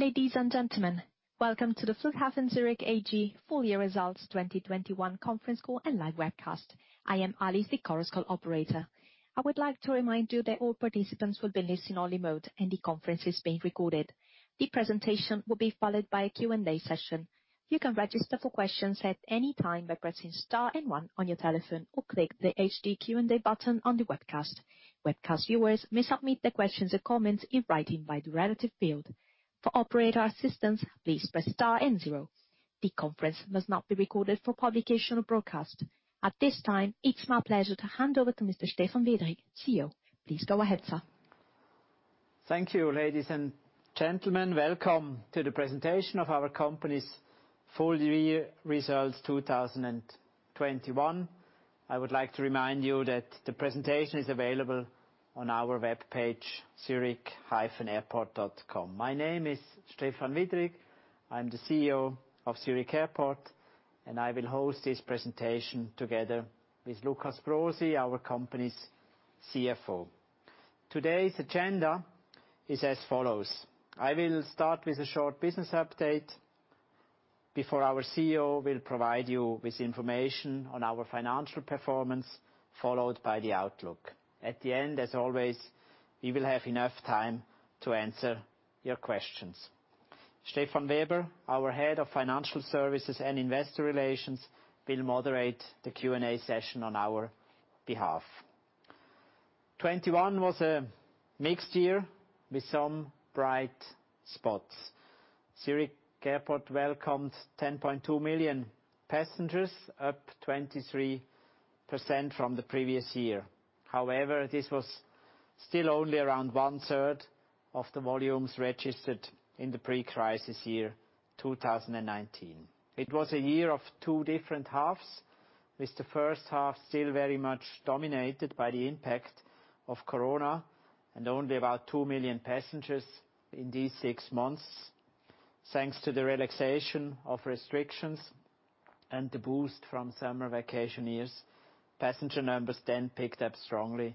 Ladies and gentlemen, welcome to the Flughafen Zürich AG Full Year Results 2021 conference call and live webcast. I am Alice, the conference call operator. I would like to remind you that all participants will be listed in read-only mode, and the conference is being recorded. The presentation will be followed by a Q&A session. You can register for questions at any time by pressing star and one on your telephone or click the HD Q&A button on the webcast. Webcast viewers may submit their questions or comments in writing by the relative field. For operator assistance, please press star and zero. The conference must not be recorded for publication or broadcast. At this time, it's my pleasure to hand over to Mr. Stephan Widrig, CEO. Please go ahead, sir. Thank you, ladies and gentlemen. Welcome to the presentation of our company's full year results, 2021. I would like to remind you that the presentation is available on our webpage, zurich-airport.com. My name is Stephan Widrig, I'm the CEO of Zurich Airport, and I will host this presentation together with Lukas Brosi, our company's CFO. Today's agenda is as follows. I will start with a short business update before our CEO will provide you with information on our financial performance, followed by the outlook. At the end, as always, we will have enough time to answer your questions. Stefan Weber, our head of financial services and investor relations, will moderate the Q&A session on our behalf. 2021 was a mixed year with some bright spots. Zurich Airport welcomed 10.2 million passengers, up 23% from the previous year. However, this was still only around one-third of the volumes registered in the pre-crisis year 2019. It was a year of two different halves, with the first half still very much dominated by the impact of Corona and only about 2 million passengers in these six months. Thanks to the relaxation of restrictions and the boost from summer vacationers, passenger numbers then picked up strongly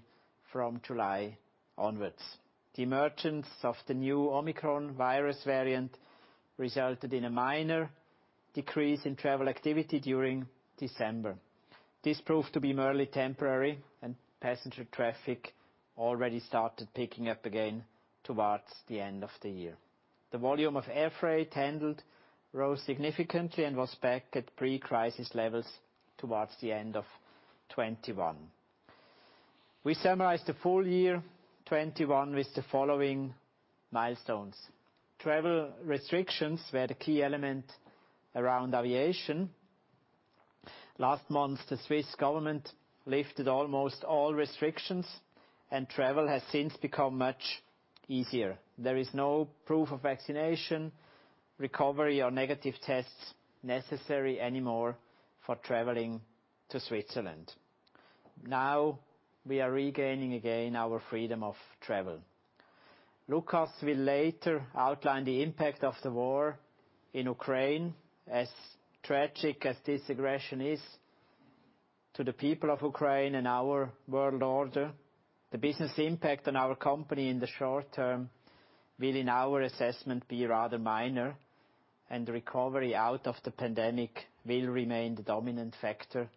from July onwards. The emergence of the new Omicron virus variant resulted in a minor decrease in travel activity during December. This proved to be merely temporary, and passenger traffic already started picking up again towards the end of the year. The volume of air freight handled rose significantly and was back at pre-crisis levels towards the end of 2021. We summarized the full year 2021 with the following milestones. Travel restrictions were the key element around aviation. Last month, the Swiss government lifted almost all restrictions, and travel has since become much easier. There is no proof of vaccination, recovery, or negative tests necessary anymore for traveling to Switzerland. Now we are regaining again our freedom of travel. Lukas will later outline the impact of the war in Ukraine. As tragic as this aggression is to the people of Ukraine and our world order, the business impact on our company in the short term will, in our assessment, be rather minor, and the recovery out of the pandemic will remain the dominant factor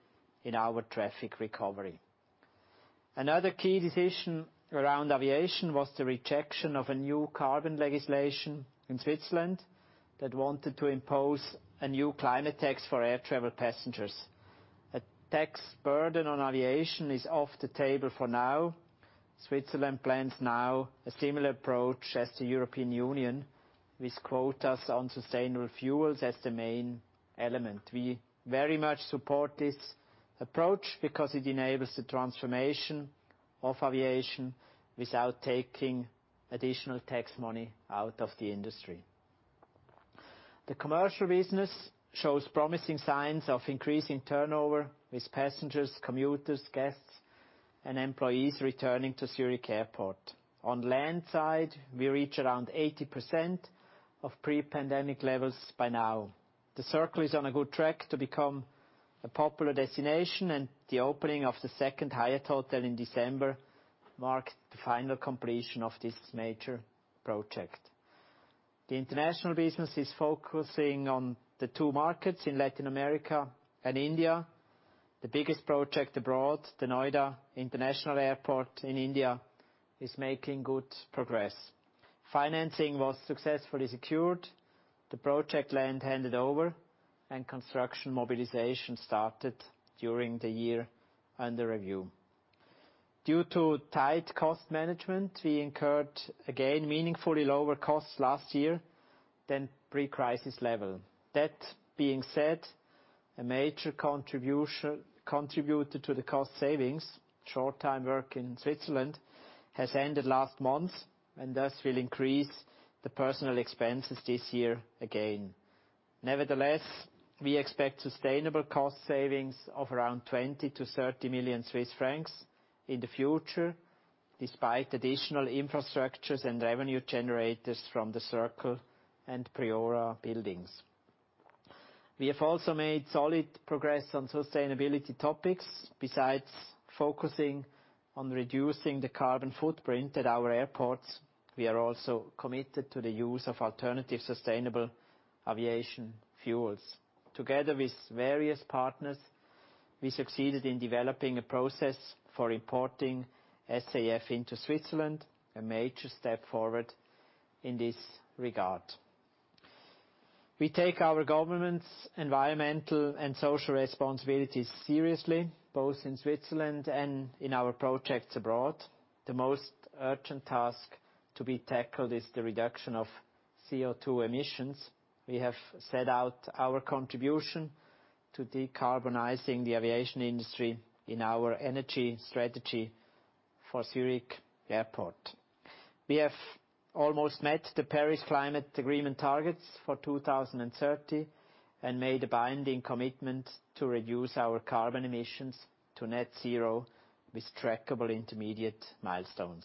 in our traffic recovery. Another key decision around aviation was the rejection of a new carbon legislation in Switzerland that wanted to impose a new climate tax for air travel passengers. A tax burden on aviation is off the table for now. Switzerland plans now a similar approach as the European Union with quotas on sustainable fuels as the main element. We very much support this approach because it enables the transformation of aviation without taking additional tax money out of the industry. The commercial business shows promising signs of increasing turnover, with passengers, commuters, guests, and employees returning to Zurich Airport. On land side, we reach around 80% of pre-pandemic levels by now. The Circle is on a good track to become a popular destination, and the opening of the second Hyatt hotel in December marked the final completion of this major project. The international business is focusing on the two markets in Latin America and India. The biggest project abroad, the Noida International Airport in India, is making good progress. Financing was successfully secured, the project land handed over, and construction mobilization started during the year under review. Due to tight cost management, we incurred again meaningfully lower costs last year than pre-crisis level. That being said, a major contributor to the cost savings, short time work in Switzerland, has ended last month and thus will increase the personnel expenses this year again. Nevertheless, we expect sustainable cost savings of around 20 million-30 million Swiss francs in the future, despite additional infrastructures and revenue generators from The Circle and Priora buildings. We have also made solid progress on sustainability topics. Besides focusing on reducing the carbon footprint at our airports, we are also committed to the use of alternative sustainable aviation fuels. Together with various partners, we succeeded in developing a process for importing SAF into Switzerland, a major step forward in this regard. We take our government's environmental and social responsibilities seriously, both in Switzerland and in our projects abroad. The most urgent task to be tackled is the reduction of CO2 emissions. We have set out our contribution to decarbonizing the aviation industry in our energy strategy for Zurich Airport. We have almost met the Paris Climate Agreement targets for 2030, and made a binding commitment to reduce our carbon emissions to net zero with trackable intermediate milestones.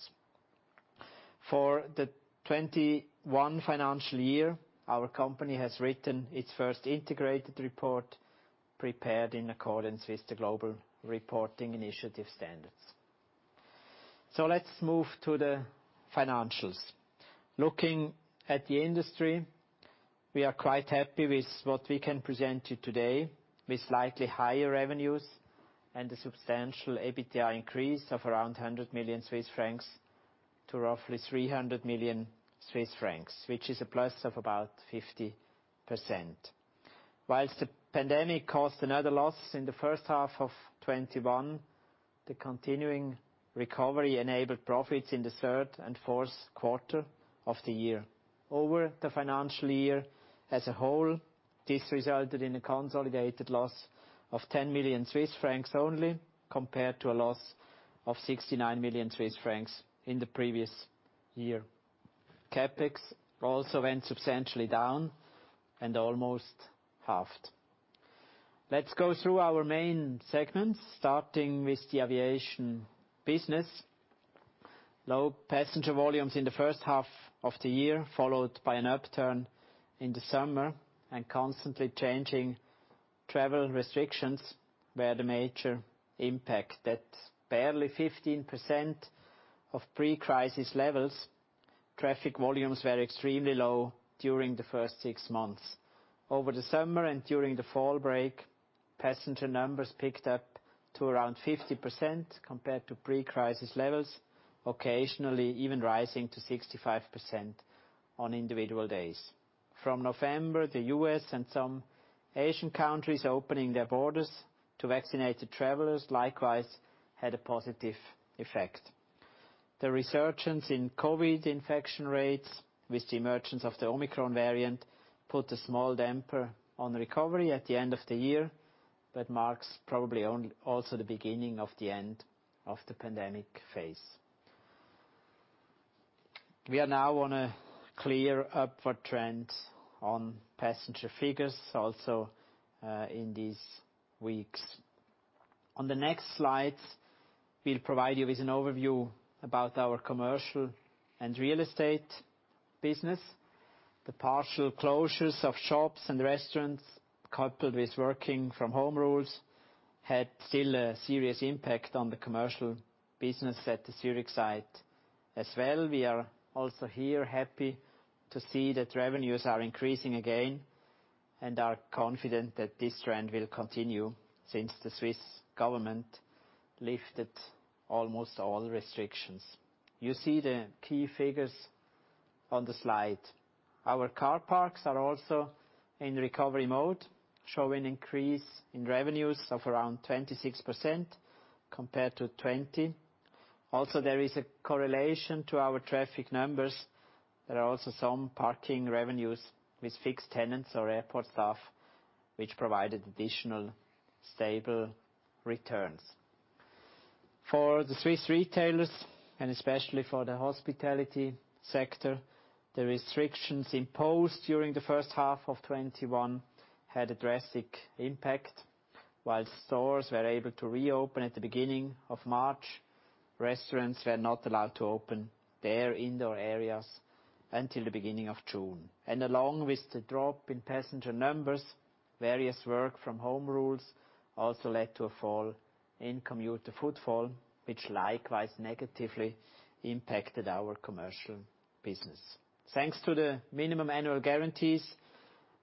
For the 2021 financial year, our company has written its first integrated report, prepared in accordance with the Global Reporting Initiative standards. Let's move to the financials. Looking at the industry, we are quite happy with what we can present you today, with slightly higher revenues and a substantial EBITDA increase of around 100 million Swiss francs to roughly 300 million Swiss francs, which is a plus of about 50%. While the pandemic caused another loss in the first half of 2021, the continuing recovery enabled profits in the third and fourth quarter of the year. Over the financial year as a whole, this resulted in a consolidated loss of 10 million Swiss francs only, compared to a loss of 69 million Swiss francs in the previous year. CapEx also went substantially down and almost halved. Let's go through our main segments, starting with the aviation business. Low passenger volumes in the first half of the year, followed by an upturn in the summer, and constantly changing travel restrictions were the major impact. At barely 15% of pre-crisis levels, traffic volumes were extremely low during the first six months. Over the summer and during the fall break, passenger numbers picked up to around 50% compared to pre-crisis levels, occasionally even rising to 65% on individual days. From November, the U.S. and some Asian countries opening their borders to vaccinated travelers likewise had a positive effect. The resurgence in COVID infection rates with the emergence of the Omicron variant put a small damper on recovery at the end of the year, but marks probably also the beginning of the end of the pandemic phase. We are now on a clear upward trend on passenger figures also in these weeks. On the next slide, we'll provide you with an overview about our commercial and real estate business. The partial closures of shops and restaurants, coupled with working from home rules, had still a serious impact on the commercial business at the Zürich site. As well, we are also here happy to see that revenues are increasing again and are confident that this trend will continue, since the Swiss government lifted almost all restrictions. You see the key figures on the slide. Our car parks are also in recovery mode, show an increase in revenues of around 26% compared to 2020. Also, there is a correlation to our traffic numbers. There are also some parking revenues with fixed tenants or airport staff, which provided additional stable returns. For the Swiss retailers, and especially for the hospitality sector, the restrictions imposed during the first half of 2021 had a drastic impact. While stores were able to reopen at the beginning of March, restaurants were not allowed to open their indoor areas until the beginning of June. Along with the drop in passenger numbers, various work from home rules also led to a fall in commuter footfall, which likewise negatively impacted our commercial business. Thanks to the minimum annual guarantees,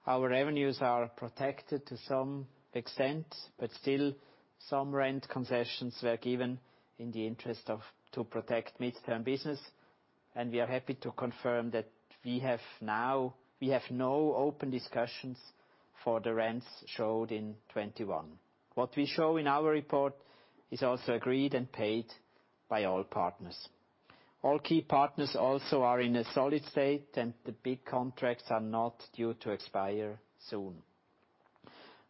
our revenues are protected to some extent, but still some rent concessions were given in the interest of to protect midterm business, and we are happy to confirm that we have no open discussions for the rents shown in 2021. What we show in our report is also agreed and paid by all partners. All key partners also are in a solid state, and the big contracts are not due to expire soon.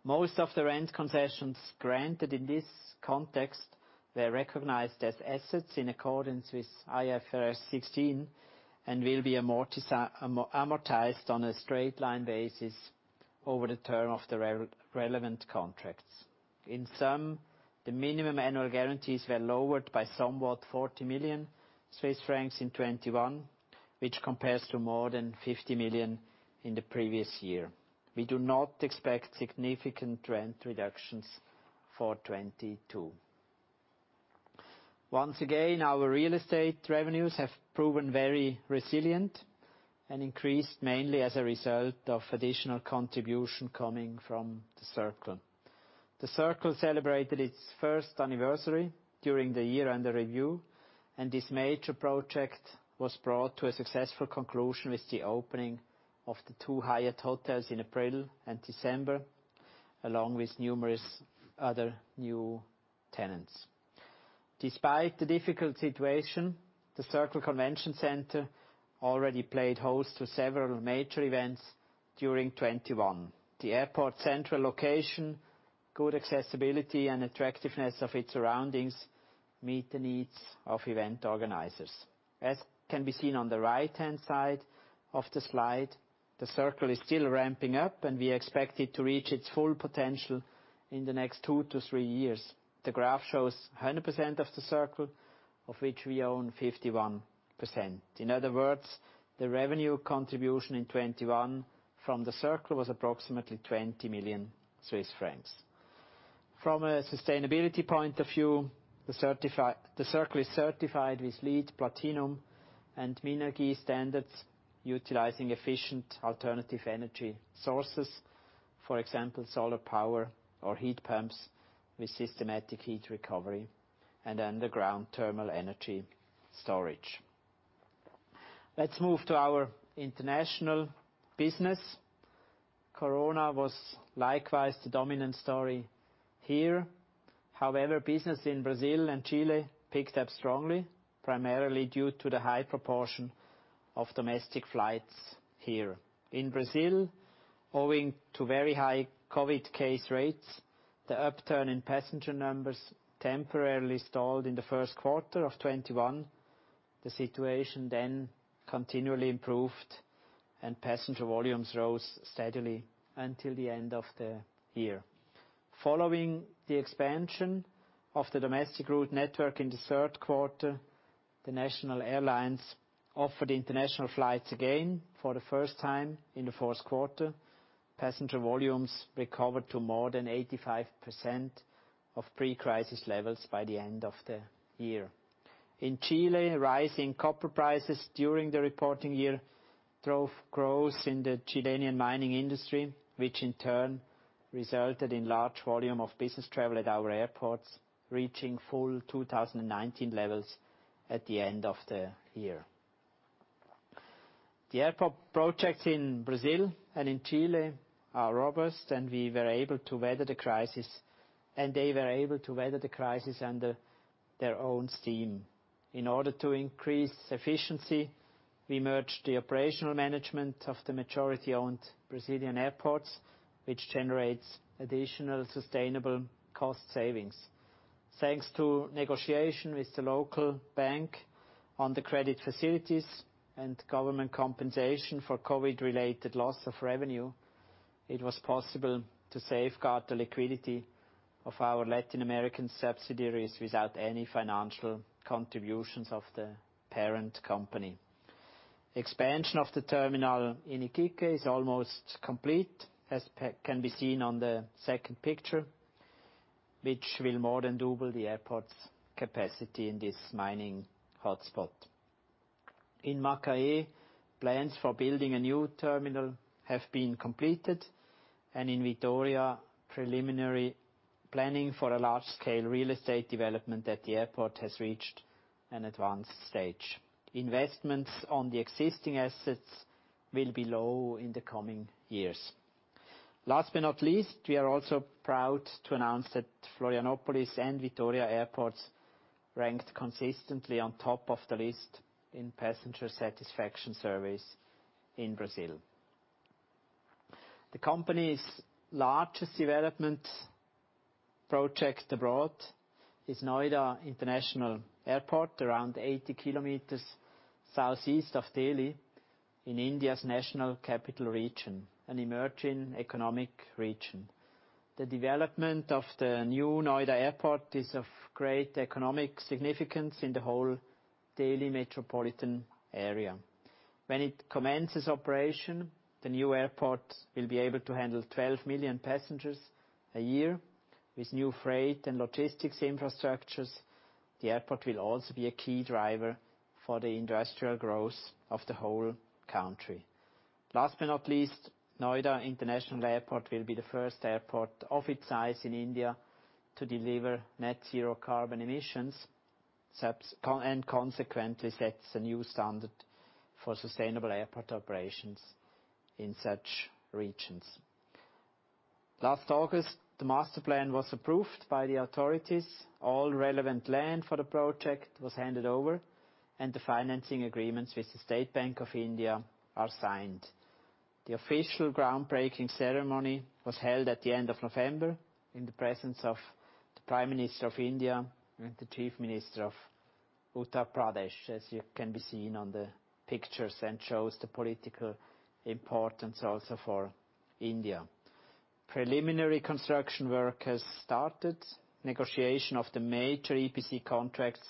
Most of the rent concessions granted in this context were recognized as assets in accordance with IFRS 16 and will be amortized on a straight line basis over the term of the relevant contracts. In sum, the minimum annual guarantees were lowered by somewhat 40 million Swiss francs in 2021, which compares to more than 50 million in the previous year. We do not expect significant rent reductions for 2022. Once again, our real estate revenues have proven very resilient and increased mainly as a result of additional contribution coming from The Circle. The Circle celebrated its first anniversary during the year under review, and this major project was brought to a successful conclusion with the opening of the two Hyatt hotels in April and December, along with numerous other new tenants. Despite the difficult situation, The Circle Convention Center already played host to several major events during 2021. The airport central location, good accessibility, and attractiveness of its surroundings meet the needs of event organizers. As can be seen on the right-hand side of the slide, The Circle is still ramping up, and we expect it to reach its full potential in the next two to three years. The graph shows 100% of The Circle, of which we own 51%. In other words, the revenue contribution in 2021 from The Circle was approximately 20 million Swiss francs. From a sustainability point of view, the Circle is certified with LEED Platinum and Minergie standards utilizing efficient alternative energy sources. For example, solar power or heat pumps with systematic heat recovery and underground terminal energy storage. Let's move to our international business. Corona was likewise the dominant story here. However, business in Brazil and Chile picked up strongly, primarily due to the high proportion of domestic flights here. In Brazil, owing to very high COVID case rates, the upturn in passenger numbers temporarily stalled in the first quarter of 2021. The situation then continually improved, and passenger volumes rose steadily until the end of the year. Following the expansion of the domestic route network in the third quarter, the national airlines offered international flights again for the first time in the fourth quarter. Passenger volumes recovered to more than 85% of pre-crisis levels by the end of the year. In Chile, rising copper prices during the reporting year drove growth in the Chilean mining industry, which in turn resulted in large volume of business travel at our airports, reaching full 2019 levels at the end of the year. The airport project in Brazil and in Chile are robust, and we were able to weather the crisis. They were able to weather the crisis under their own steam. In order to increase efficiency, we merged the operational management of the majority-owned Brazilian airports, which generates additional sustainable cost savings. Thanks to negotiation with the local bank on the credit facilities and government compensation for COVID-related loss of revenue, it was possible to safeguard the liquidity of our Latin American subsidiaries without any financial contributions of the parent company. Expansion of the terminal in Iquique is almost complete, as can be seen on the second picture, which will more than double the airport's capacity in this mining hotspot. In Macaé, plans for building a new terminal have been completed, and in Vitória, preliminary planning for a large-scale real estate development at the airport has reached an advanced stage. Investments on the existing assets will be low in the coming years. Last but not least, we are also proud to announce that Florianópolis and Vitória airports ranked consistently on top of the list in passenger satisfaction surveys in Brazil. The company's largest development project abroad is Noida International Airport, around 80 km southeast of Delhi in India's national capital region, an emerging economic region. The development of the new Noida Airport is of great economic significance in the whole Delhi metropolitan area. When it commences operation, the new airport will be able to handle 12 million passengers a year. With new freight and logistics infrastructures, the airport will also be a key driver for the industrial growth of the whole country. Last but not least, Noida International Airport will be the first airport of its size in India to deliver net zero carbon emissions, and consequently sets a new standard for sustainable airport operations in such regions. Last August, the master plan was approved by the authorities. All relevant land for the project was handed over, and the financing agreements with the State Bank of India are signed. The official groundbreaking ceremony was held at the end of November in the presence of the Prime Minister of India and the Chief Minister of Uttar Pradesh, as you can see on the pictures, which shows the political importance also for India. Preliminary construction work has started. Negotiation of the major EPC contracts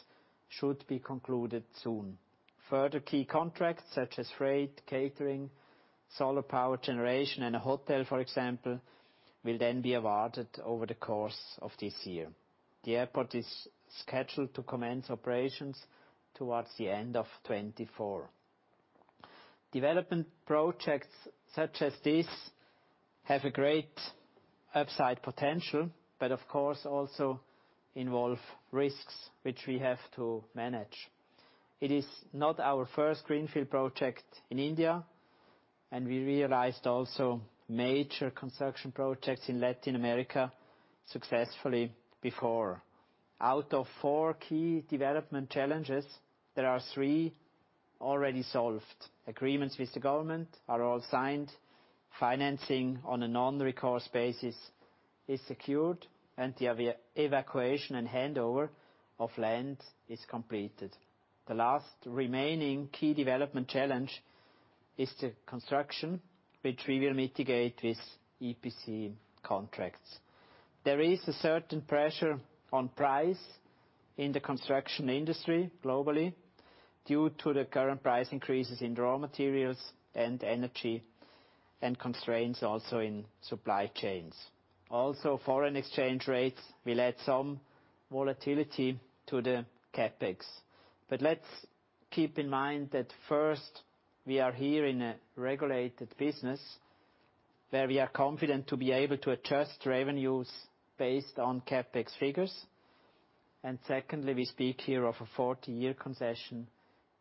should be concluded soon. Further key contracts, such as freight, catering, solar power generation and a hotel, for example, will then be awarded over the course of this year. The airport is scheduled to commence operations towards the end of 2024. Development projects such as this have a great upside potential, but of course, also involve risks which we have to manage. It is not our first greenfield project in India, and we realized also major construction projects in Latin America successfully before. Out of four key development challenges, there are three already solved. Agreements with the government are all signed, financing on a non-recourse basis is secured, and the evacuation and handover of land is completed. The last remaining key development challenge is the construction, which we will mitigate with EPC contracts. There is a certain pressure on price in the construction industry globally due to the current price increases in raw materials and energy, and constraints also in supply chains. Also foreign exchange rates will add some volatility to the CapEx. Let's keep in mind that first, we are here in a regulated business where we are confident to be able to adjust revenues based on CapEx figures. Secondly, we speak here of a 40-year concession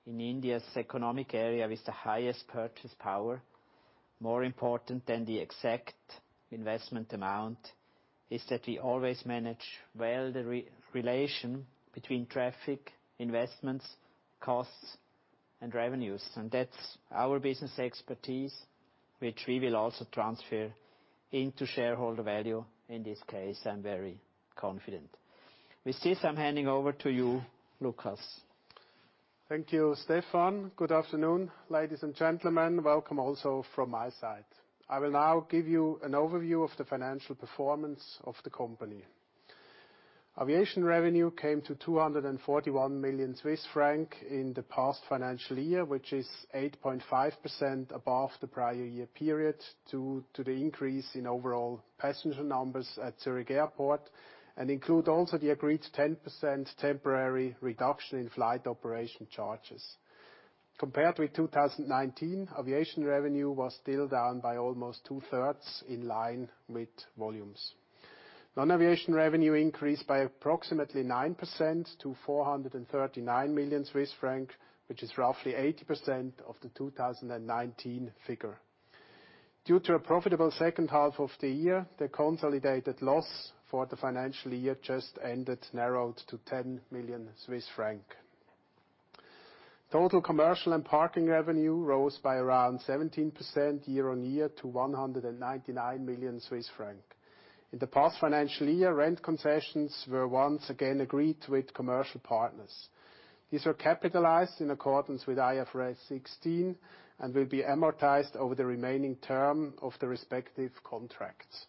in India's economic area with the highest purchasing power. More important than the exact investment amount is that we always manage well the relationship between traffic, investments, costs, and revenues. That's our business expertise, which we will also transfer into shareholder value. In this case, I'm very confident. With this, I'm handing over to you, Lukas. Thank you, Stephan. Good afternoon, ladies and gentlemen. Welcome also from my side. I will now give you an overview of the financial performance of the company. Aviation revenue came to 241 million Swiss franc in the past financial year, which is 8.5% above the prior year period due to the increase in overall passenger numbers at Zurich Airport, including also the agreed 10% temporary reduction in flight operation charges. Compared with 2019, aviation revenue was still down by almost two-thirds in line with volumes. Non-aviation revenue increased by approximately 9% to 439 million Swiss francs, which is roughly 80% of the 2019 figure. Due to a profitable second half of the year, the consolidated loss for the financial year just ended narrowed to 10 million Swiss francs. Total commercial and parking revenue rose by around 17% year-on-year to 199 million Swiss francs. In the past financial year, rent concessions were once again agreed with commercial partners. These were capitalized in accordance with IFRS 16, and will be amortized over the remaining term of the respective contracts.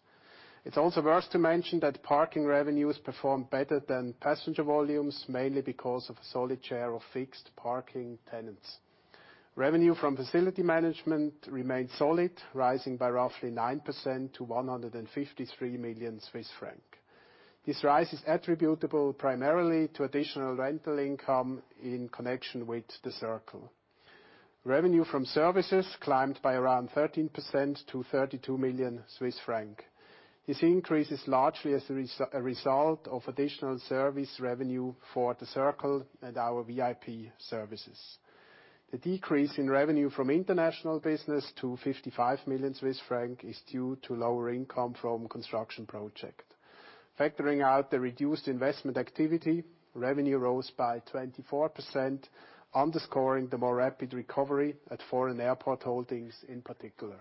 It's also worth to mention that parking revenues performed better than passenger volumes, mainly because of a solid share of fixed parking tenants. Revenue from facility management remained solid, rising by roughly 9% to 153 million Swiss franc. This rise is attributable primarily to additional rental income in connection with The Circle. Revenue from services climbed by around 13% to 32 million Swiss francs. This increase is largely a result of additional service revenue for The Circle and our VIP services. The decrease in revenue from international business to 55 million Swiss franc is due to lower income from construction project. Factoring out the reduced investment activity, revenue rose by 24%, underscoring the more rapid recovery at foreign airport holdings in particular.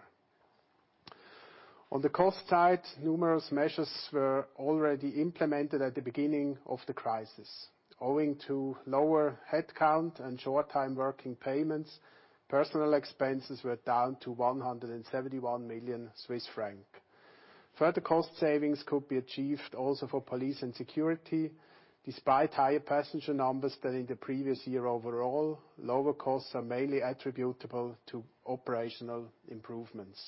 On the cost side, numerous measures were already implemented at the beginning of the crisis. Owing to lower headcount and short time working payments, personal expenses were down to 171 million Swiss francs. Further cost savings could be achieved also for police and security, despite higher passenger numbers than in the previous year overall. Lower costs are mainly attributable to operational improvements.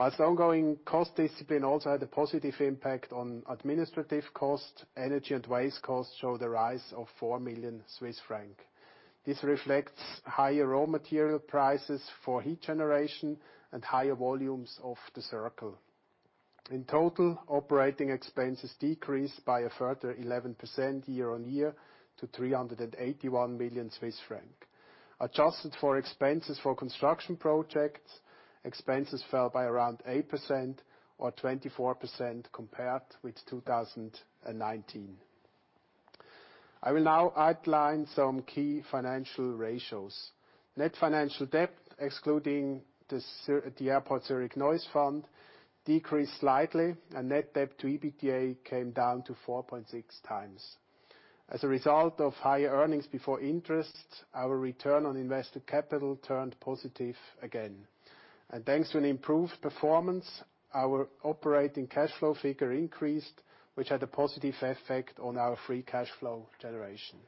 While ongoing cost discipline also had a positive impact on administrative costs, energy and waste costs show the rise of 4 million Swiss francs. This reflects higher raw material prices for heat generation and higher volumes of The Circle. In total, operating expenses decreased by a further 11% year-on-year to 381 million Swiss franc. Adjusted for expenses for construction projects, expenses fell by around 8% or 24% compared with 2019. I will now outline some key financial ratios. Net financial debt, excluding the Airport Zurich Noise Fund, decreased slightly, and net debt to EBITDA came down to 4.6 times. As a result of higher earnings before interest, our return on invested capital turned positive again. Thanks to an improved performance, our operating cash flow figure increased, which had a positive effect on our free cash flow generation.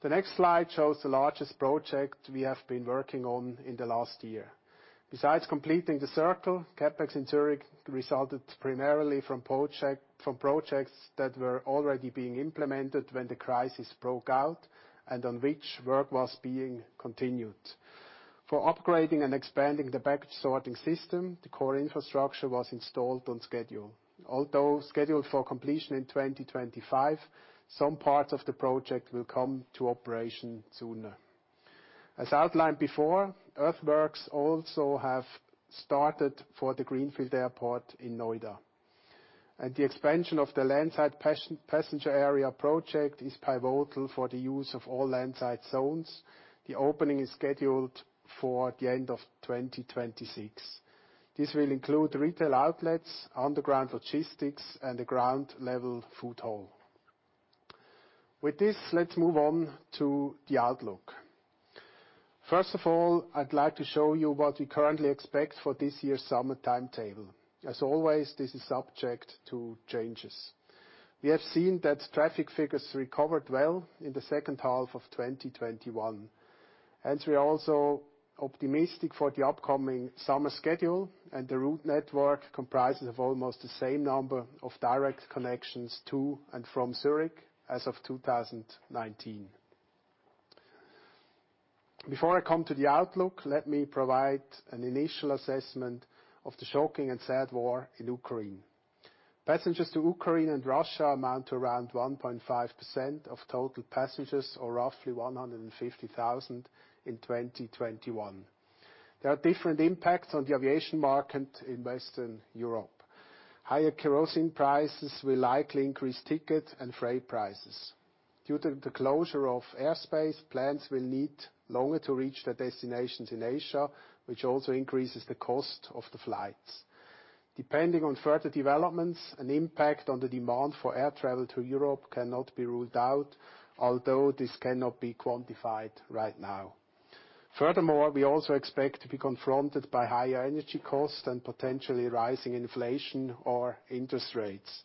The next slide shows the largest project we have been working on in the last year. Besides completing The Circle, CapEx in Zurich resulted primarily from projects that were already being implemented when the crisis broke out, and on which work was being continued. For upgrading and expanding the baggage sorting system, the core infrastructure was installed on schedule. Although scheduled for completion in 2025, some parts of the project will come to operation sooner. As outlined before, earthworks also have started for the Noida International Airport. The expansion of the landside passenger area project is pivotal for the use of all landside zones. The opening is scheduled for the end of 2026. This will include retail outlets, underground logistics, and a ground level food hall. With this, let's move on to the outlook. First of all, I'd like to show you what we currently expect for this year's summer timetable. As always, this is subject to changes. We have seen that traffic figures recovered well in the second half of 2021, and we are also optimistic for the upcoming summer schedule, and the route network comprises of almost the same number of direct connections to and from Zurich as of 2019. Before I come to the outlook, let me provide an initial assessment of the shocking and sad war in Ukraine. Passengers to Ukraine and Russia amount to around 1.5% of total passengers, or roughly 150,000 in 2021. There are different impacts on the aviation market in Western Europe. Higher kerosene prices will likely increase ticket and freight prices. Due to the closure of airspace, planes will need longer to reach their destinations in Asia, which also increases the cost of the flights. Depending on further developments, an impact on the demand for air travel to Europe cannot be ruled out, although this cannot be quantified right now. Furthermore, we also expect to be confronted by higher energy costs and potentially rising inflation or interest rates.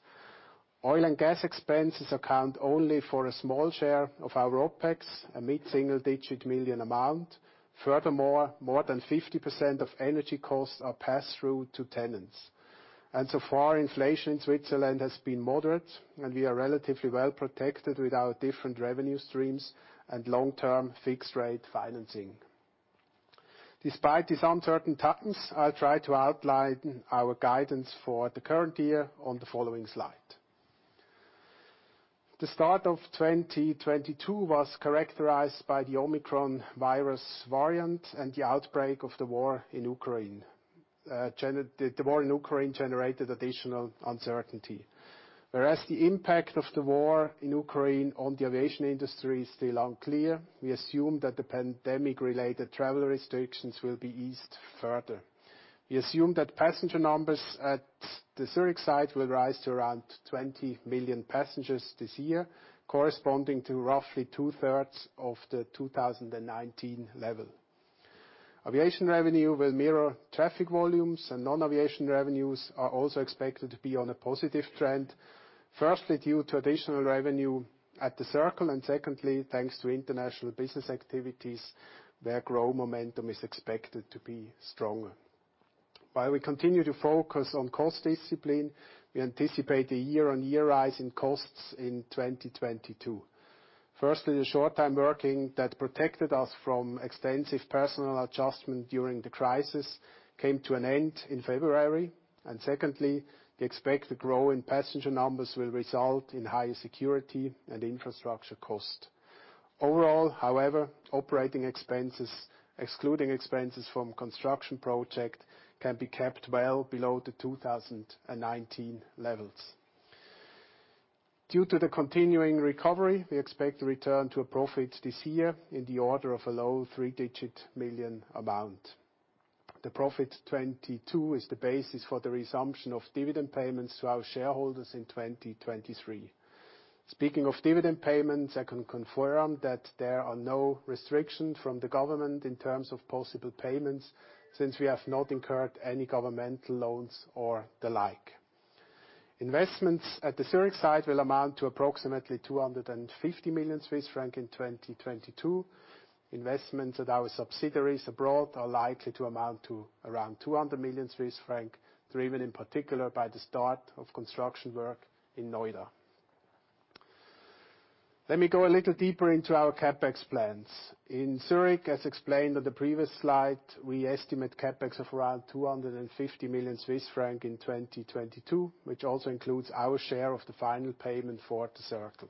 Oil and gas expenses account only for a small share of our OPEX, a mid-single-digit million amount. Furthermore, more than 50% of energy costs are passed through to tenants. So far, inflation in Switzerland has been moderate, and we are relatively well protected with our different revenue streams and long-term fixed rate financing. Despite these uncertain times, I'll try to outline our guidance for the current year on the following slide. The start of 2022 was characterized by the Omicron virus variant and the outbreak of the war in Ukraine. The war in Ukraine generated additional uncertainty. Whereas the impact of the war in Ukraine on the aviation industry is still unclear, we assume that the pandemic related travel restrictions will be eased further. We assume that passenger numbers at the Zurich site will rise to around 20 million passengers this year, corresponding to roughly two-thirds of the 2019 level. Aviation revenue will mirror traffic volumes, and non-aviation revenues are also expected to be on a positive trend. Firstly, due to additional revenue at The Circle, and secondly, thanks to international business activities where growth momentum is expected to be stronger. While we continue to focus on cost discipline, we anticipate a year-on-year rise in costs in 2022. Firstly, the short time working that protected us from extensive personnel adjustment during the crisis came to an end in February. Secondly, the expected growth in passenger numbers will result in higher security and infrastructure cost. Overall, however, operating expenses, excluding expenses from construction project, can be kept well below the 2019 levels. Due to the continuing recovery, we expect to return to a profit this year in the order of a low three-digit million CHF. The profit 2022 is the basis for the resumption of dividend payments to our shareholders in 2023. Speaking of dividend payments, I can confirm that there are no restrictions from the government in terms of possible payments since we have not incurred any governmental loans or the like. Investments at the Zurich site will amount to approximately 250 million Swiss francs in 2022. Investments at our subsidiaries abroad are likely to amount to around 200 million Swiss francs, driven in particular by the start of construction work in Noida. Let me go a little deeper into our CapEx plans. In Zurich, as explained on the previous slide, we estimate CapEx of around 250 million Swiss franc in 2022, which also includes our share of the final payment for The Circle.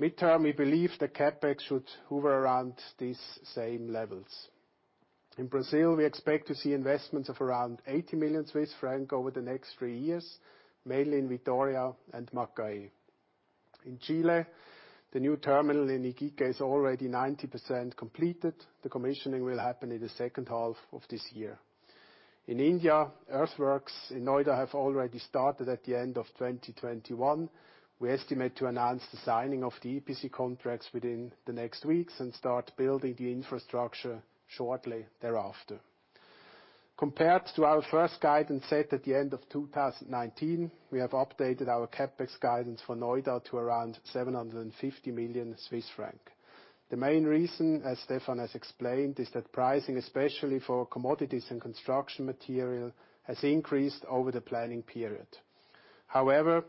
Midterm, we believe the CapEx should hover around these same levels. In Brazil, we expect to see investments of around 80 million Swiss francs over the next three years, mainly in Vitória and Macaé. In Chile, the new terminal in Iquique is already 90% completed. The commissioning will happen in the second half of this year. In India, earthworks in Noida have already started at the end of 2021. We estimate to announce the signing of the EPC contracts within the next weeks and start building the infrastructure shortly thereafter. Compared to our first guidance set at the end of 2019, we have updated our CapEx guidance for Noida to around 750 million Swiss franc. The main reason, as Stephan has explained, is that pricing, especially for commodities and construction material, has increased over the planning period. However,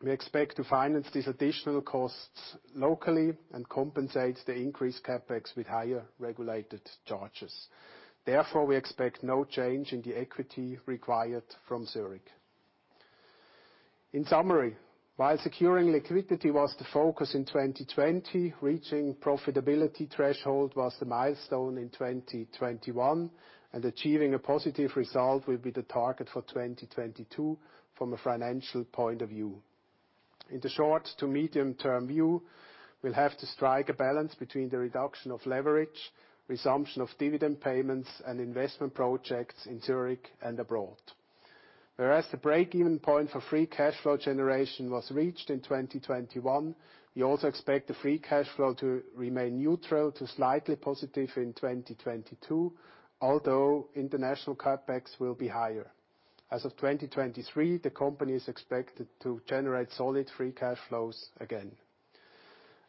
we expect to finance these additional costs locally and compensate the increased CapEx with higher regulated charges. Therefore, we expect no change in the equity required from Zurich. In summary, while securing liquidity was the focus in 2020, reaching profitability threshold was the milestone in 2021, and achieving a positive result will be the target for 2022 from a financial point of view. In the short to medium term view, we'll have to strike a balance between the reduction of leverage, resumption of dividend payments, and investment projects in Zurich and abroad. Whereas the break-even point for free cash flow generation was reached in 2021, we also expect the free cash flow to remain neutral to slightly positive in 2022, although international CapEx will be higher. As of 2023, the company is expected to generate solid free cash flows again.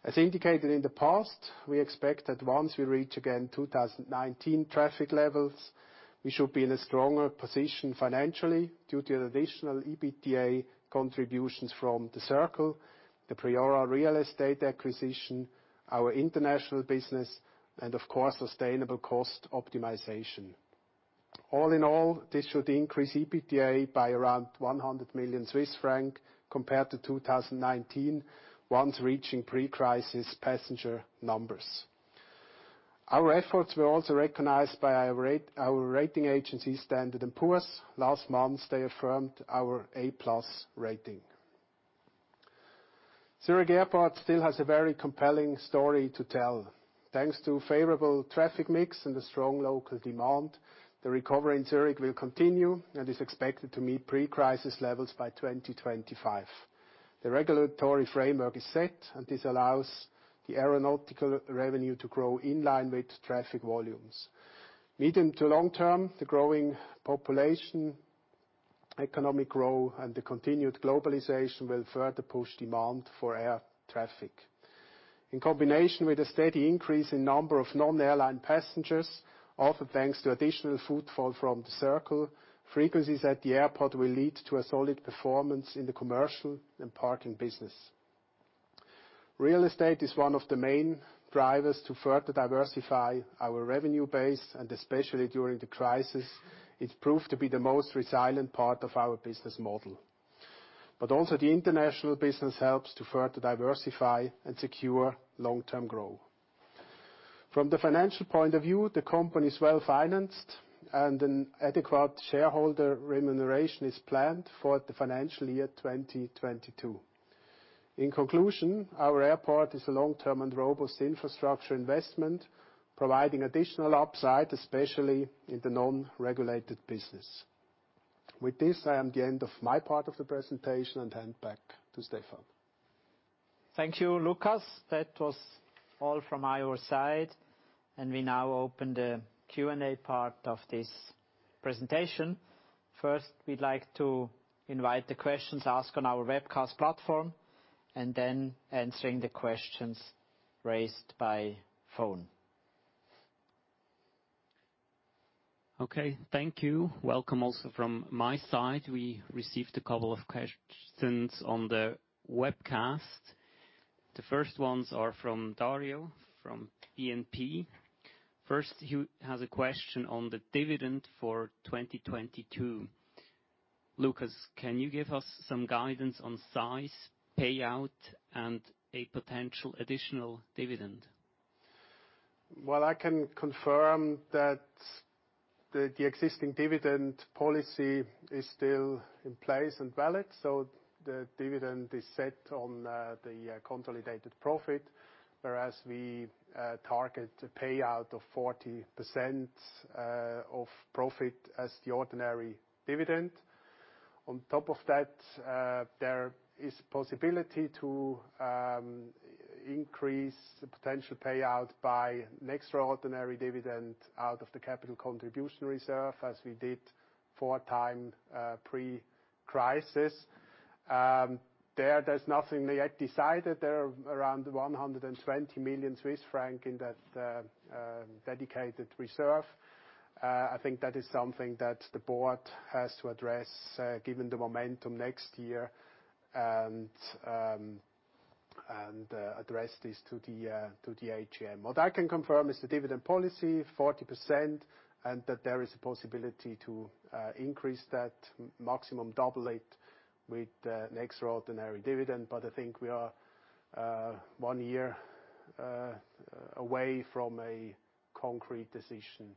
As indicated in the past, we expect that once we reach again 2019 traffic levels, we should be in a stronger position financially due to the additional EBITDA contributions from The Circle, the Priora real estate acquisition, our international business, and of course, sustainable cost optimization. All in all, this should increase EBITDA by around 100 million Swiss francs compared to 2019, once reaching pre-crisis passenger numbers. Our efforts were also recognized by our rater, our rating agency, Standard & Poor's. Last month, they affirmed our A+ rating. Zurich Airport still has a very compelling story to tell. Thanks to favorable traffic mix and a strong local demand, the recovery in Zurich will continue and is expected to meet pre-crisis levels by 2025. The regulatory framework is set, and this allows the aeronautical revenue to grow in line with traffic volumes. Medium to long term, the growing population, economic growth, and the continued globalization will further push demand for air traffic. In combination with a steady increase in number of non-airline passengers, also thanks to additional footfall from The Circle, frequencies at the airport will lead to a solid performance in the commercial and parking business. Real estate is one of the main drivers to further diversify our revenue base, and especially during the crisis, it proved to be the most resilient part of our business model. Also, the international business helps to further diversify and secure long-term growth. From the financial point of view, the company is well-financed, and an adequate shareholder remuneration is planned for the financial year 2022. In conclusion, our airport is a long-term and robust infrastructure investment, providing additional upside, especially in the non-regulated business. With this, I am at the end of my part of the presentation, and hand back to Stephan. Thank you, Lukas. That was all from our side, and we now open the Q&A part of this presentation. First, we'd like to invite the questions asked on our webcast platform, and then answering the questions raised by phone. Okay. Thank you. Welcome also from my side. We received a couple of questions on the webcast. The first ones are from Dario, from BNP. First, he has a question on the dividend for 2022. Lukas, can you give us some guidance on size, payout, and a potential additional dividend? Well, I can confirm that the existing dividend policy is still in place and valid, so the dividend is set on the consolidated profit, whereas we target a payout of 40% of profit as the ordinary dividend. On top of that, there is possibility to increase the potential payout by an extraordinary dividend out of the capital contribution reserve as we did four times pre-crisis. There's nothing yet decided. There are around 120 million Swiss francs in that dedicated reserve. I think that is something that the board has to address given the momentum next year, and address this to the AGM. What I can confirm is the dividend policy, 40%, and that there is a possibility to increase that maximum, double it with an extraordinary dividend. I think we are one year away from a concrete decision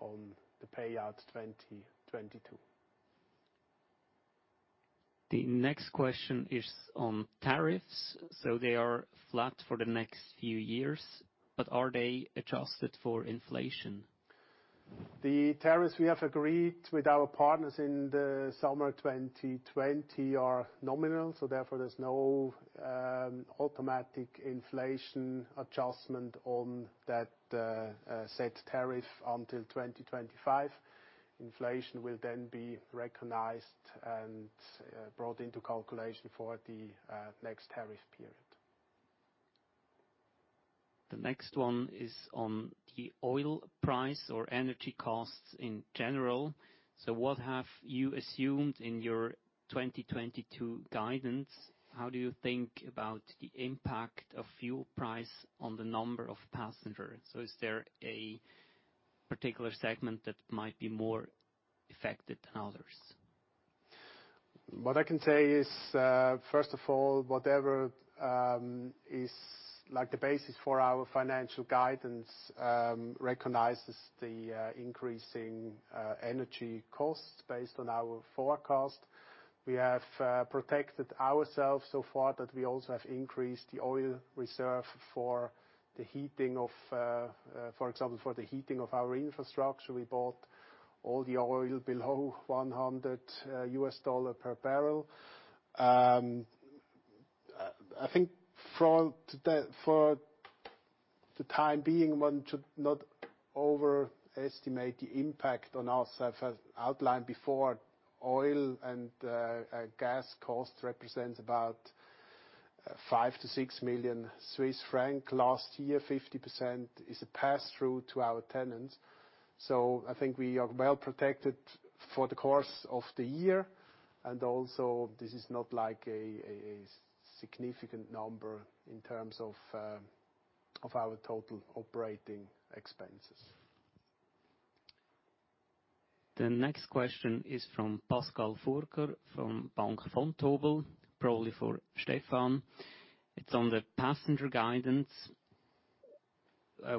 on the payout 2022. The next question is on tariffs. They are flat for the next few years, but are they adjusted for inflation? The tariffs we have agreed with our partners in the summer 2020 are nominal, so therefore there's no automatic inflation adjustment on that set tariff until 2025. Inflation will then be recognized and brought into calculation for the next tariff period. The next one is on the oil price or energy costs in general. What have you assumed in your 2022 guidance? How do you think about the impact of fuel price on the number of passengers? Is there a particular segment that might be more affected than others? What I can say is, first of all, whatever is like the basis for our financial guidance, recognizes the increasing energy costs based on our forecast. We have protected ourselves so far that we also have increased the oil reserve for the heating of, for example, our infrastructure. We bought all the oil below $100 per barrel. I think for the time being, one should not overestimate the impact on us. As outlined before, oil and gas costs represents about 5 million-6 million Swiss francs last year, 50% is passed through to our tenants. I think we are well protected for the course of the year. Also, this is not like a significant number in terms of our total operating expenses. The next question is from Pascal Furger, from Bank Vontobel, probably for Stephan. It's on the passenger guidance.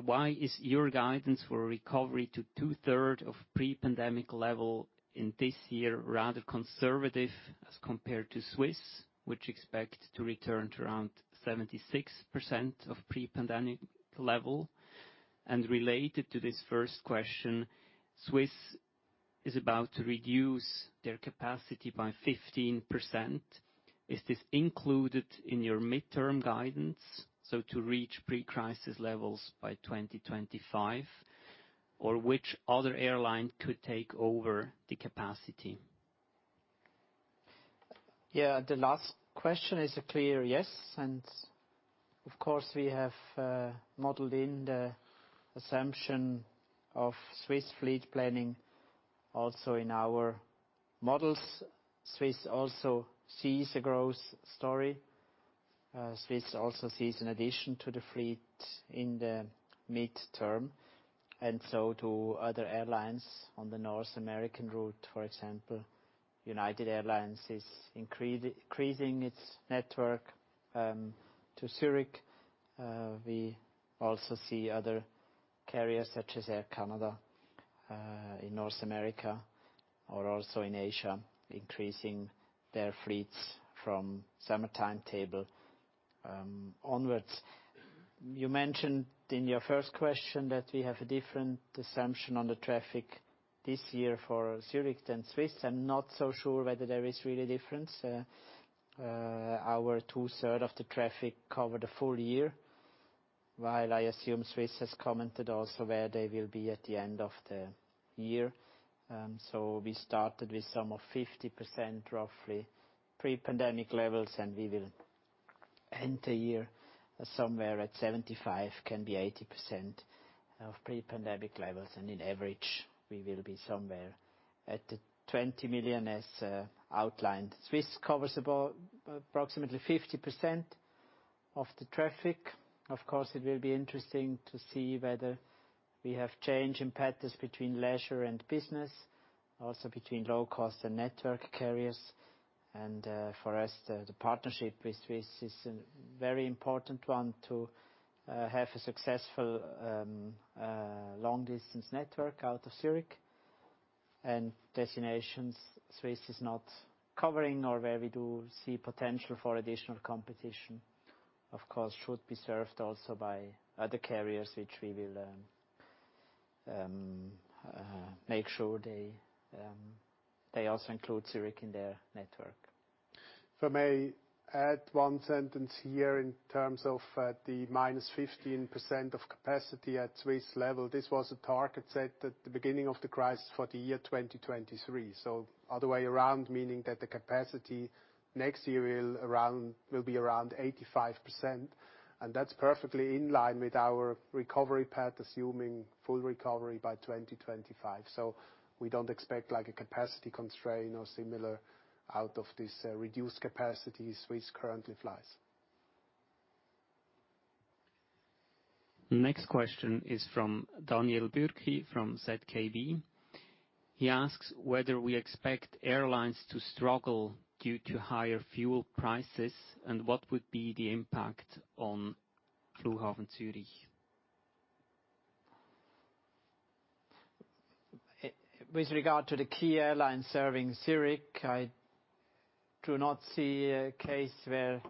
Why is your guidance for recovery to two-thirds of pre-pandemic level in this year rather conservative as compared to Swiss, which expect to return to around 76% of pre-pandemic level? Related to this first question, Swiss is about to reduce their capacity by 15%. Is this included in your midterm guidance, to reach pre-crisis levels by 2025? Or which other airline could take over the capacity? Yeah, the last question is a clear yes, and of course, we have modeled in the assumption of Swiss fleet planning also in our models. Swiss also sees a growth story. Swiss also sees an addition to the fleet in the midterm, and so do other airlines on the North American route. For example, United Airlines is increasing its network to Zurich. We also see other carriers, such as Air Canada, in North America or also in Asia, increasing their fleets from summer timetable onwards. You mentioned in your first question that we have a different assumption on the traffic this year for Zurich than Swiss. I'm not so sure whether there is really a difference. Our two-thirds of the traffic cover the full year, while I assume Swiss has commented also where they will be at the end of the year. We started with some of 50%, roughly pre-pandemic levels, and we will end the year somewhere at 75%, can be 80% of pre-pandemic levels. On average, we will be somewhere at the 20 million as outlined. Swiss covers approximately 50% of the traffic. Of course, it will be interesting to see whether we have change in patterns between leisure and business, also between low cost and network carriers. For us, the partnership with Swiss is a very important one to have a successful long-distance network out of Zurich. Destinations Swiss is not covering or where we do see potential for additional competition, of course, should be served also by other carriers, which we will make sure they also include Zurich in their network. If I may add one sentence here in terms of, the -15% of capacity at Swiss level. This was a target set at the beginning of the crisis for the year 2023. Other way around, meaning that the capacity next year will be around 85%. That's perfectly in line with our recovery path, assuming full recovery by 2025. We don't expect like a capacity constraint or similar out of this reduced capacity Swiss currently flies. Next question is from Daniel Bürki, from ZKB. He asks whether we expect airlines to struggle due to higher fuel prices, and what would be the impact on Flughafen Zürich. With regard to the key airlines serving Zurich, I do not see a case where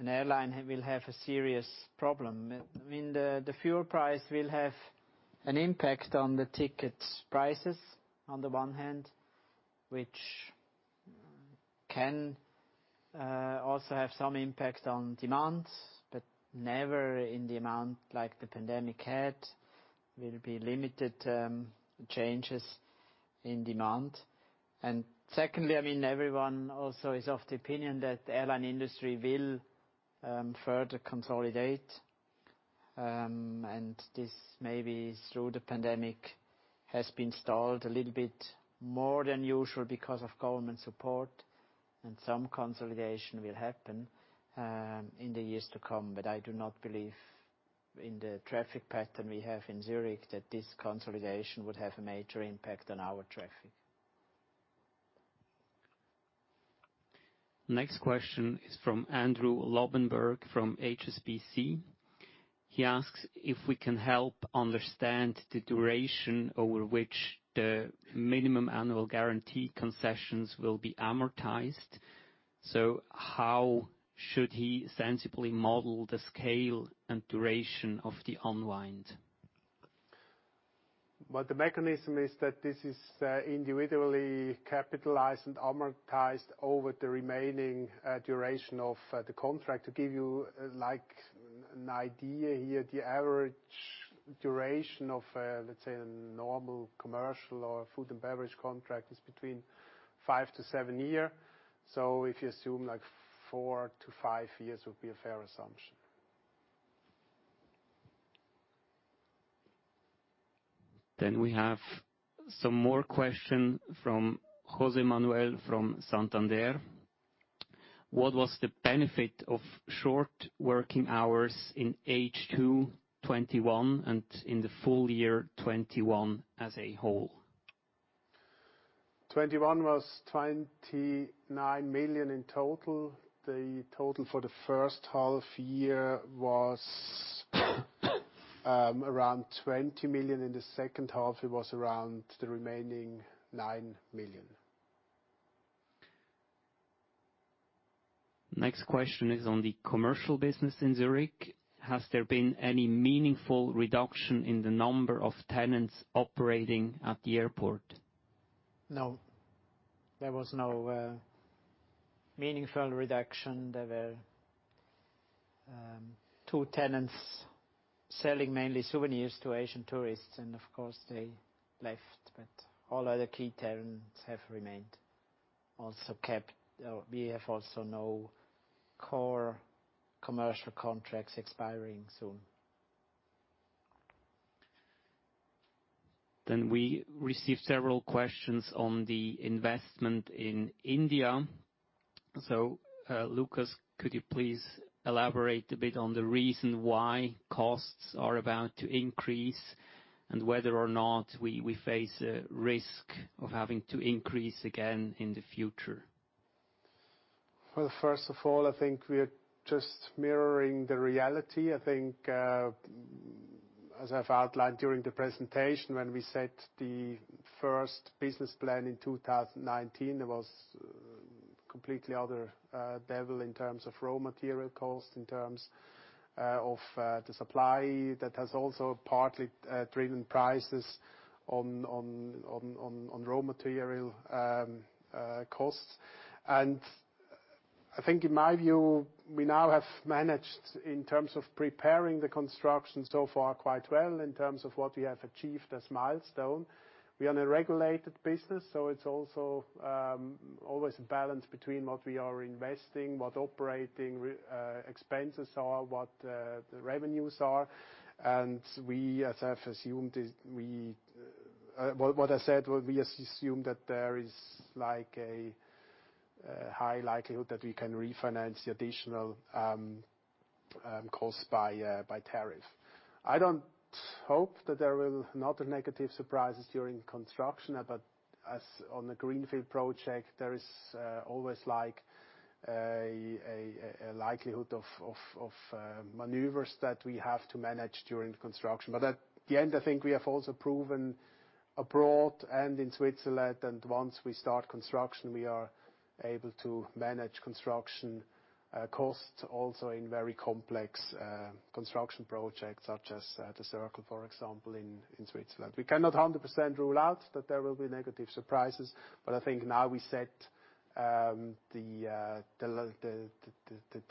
an airline will have a serious problem. I mean, the fuel price will have an impact on the tickets prices on the one hand, which can also have some impact on demand, but never in the amount like the pandemic had, will be limited changes in demand. Secondly, I mean, everyone also is of the opinion that the airline industry will further consolidate. This may be through the pandemic has been stalled a little bit more than usual because of government support, and some consolidation will happen in the years to come. I do not believe in the traffic pattern we have in Zurich, that this consolidation would have a major impact on our traffic. Next question is from Andrew Lobbenberg from HSBC. He asks if we can help understand the duration over which the minimum annual guarantee concessions will be amortized. How should he sensibly model the scale and duration of the unwind? Well, the mechanism is that this is individually capitalized and amortized over the remaining duration of the contract. To give you like an idea here, the average duration of let's say a normal commercial or food and beverage contract is between five to seven years. If you assume like four to five years would be a fair assumption. We have some more question from José Manuel from Santander. What was the benefit of short working hours in H2 2021 and in the full year 2021 as a whole. 2021 was 29 million in total. The total for the first half year was around 20 million. In the second half, it was around the remaining 9 million. Next question is on the commercial business in Zurich. Has there been any meaningful reduction in the number of tenants operating at the airport? No. There was no meaningful reduction. There were two tenants selling mainly souvenirs to Asian tourists and of course they left, but all other key tenants have remained. We have also no core commercial contracts expiring soon. We received several questions on the investment in India. Lukas, could you please elaborate a bit on the reason why costs are about to increase, and whether or not we face a risk of having to increase again in the future? Well, first of all, I think we're just mirroring the reality. I think, as I've outlined during the presentation, when we set the first business plan in 2019, there was completely other level in terms of raw material cost, in terms of the supply that has also partly driven prices on raw material costs. I think in my view, we now have managed, in terms of preparing the construction so far, quite well in terms of what we have achieved as milestone. We are in a regulated business, so it's also always a balance between what we are investing, what operating expenses are, what the revenues are. We, as I've assumed, is we... What I said was we assume that there is like a high likelihood that we can refinance the additional costs by tariff. I don't hope that there will not a negative surprises during construction, but as on the greenfield project, there is always like a likelihood of maneuvers that we have to manage during the construction. At the end, I think we have also proven abroad and in Switzerland, and once we start construction, we are able to manage construction costs also in very complex construction projects such as The Circle, for example, in Switzerland. We cannot 100% rule out that there will be negative surprises, but I think now we set the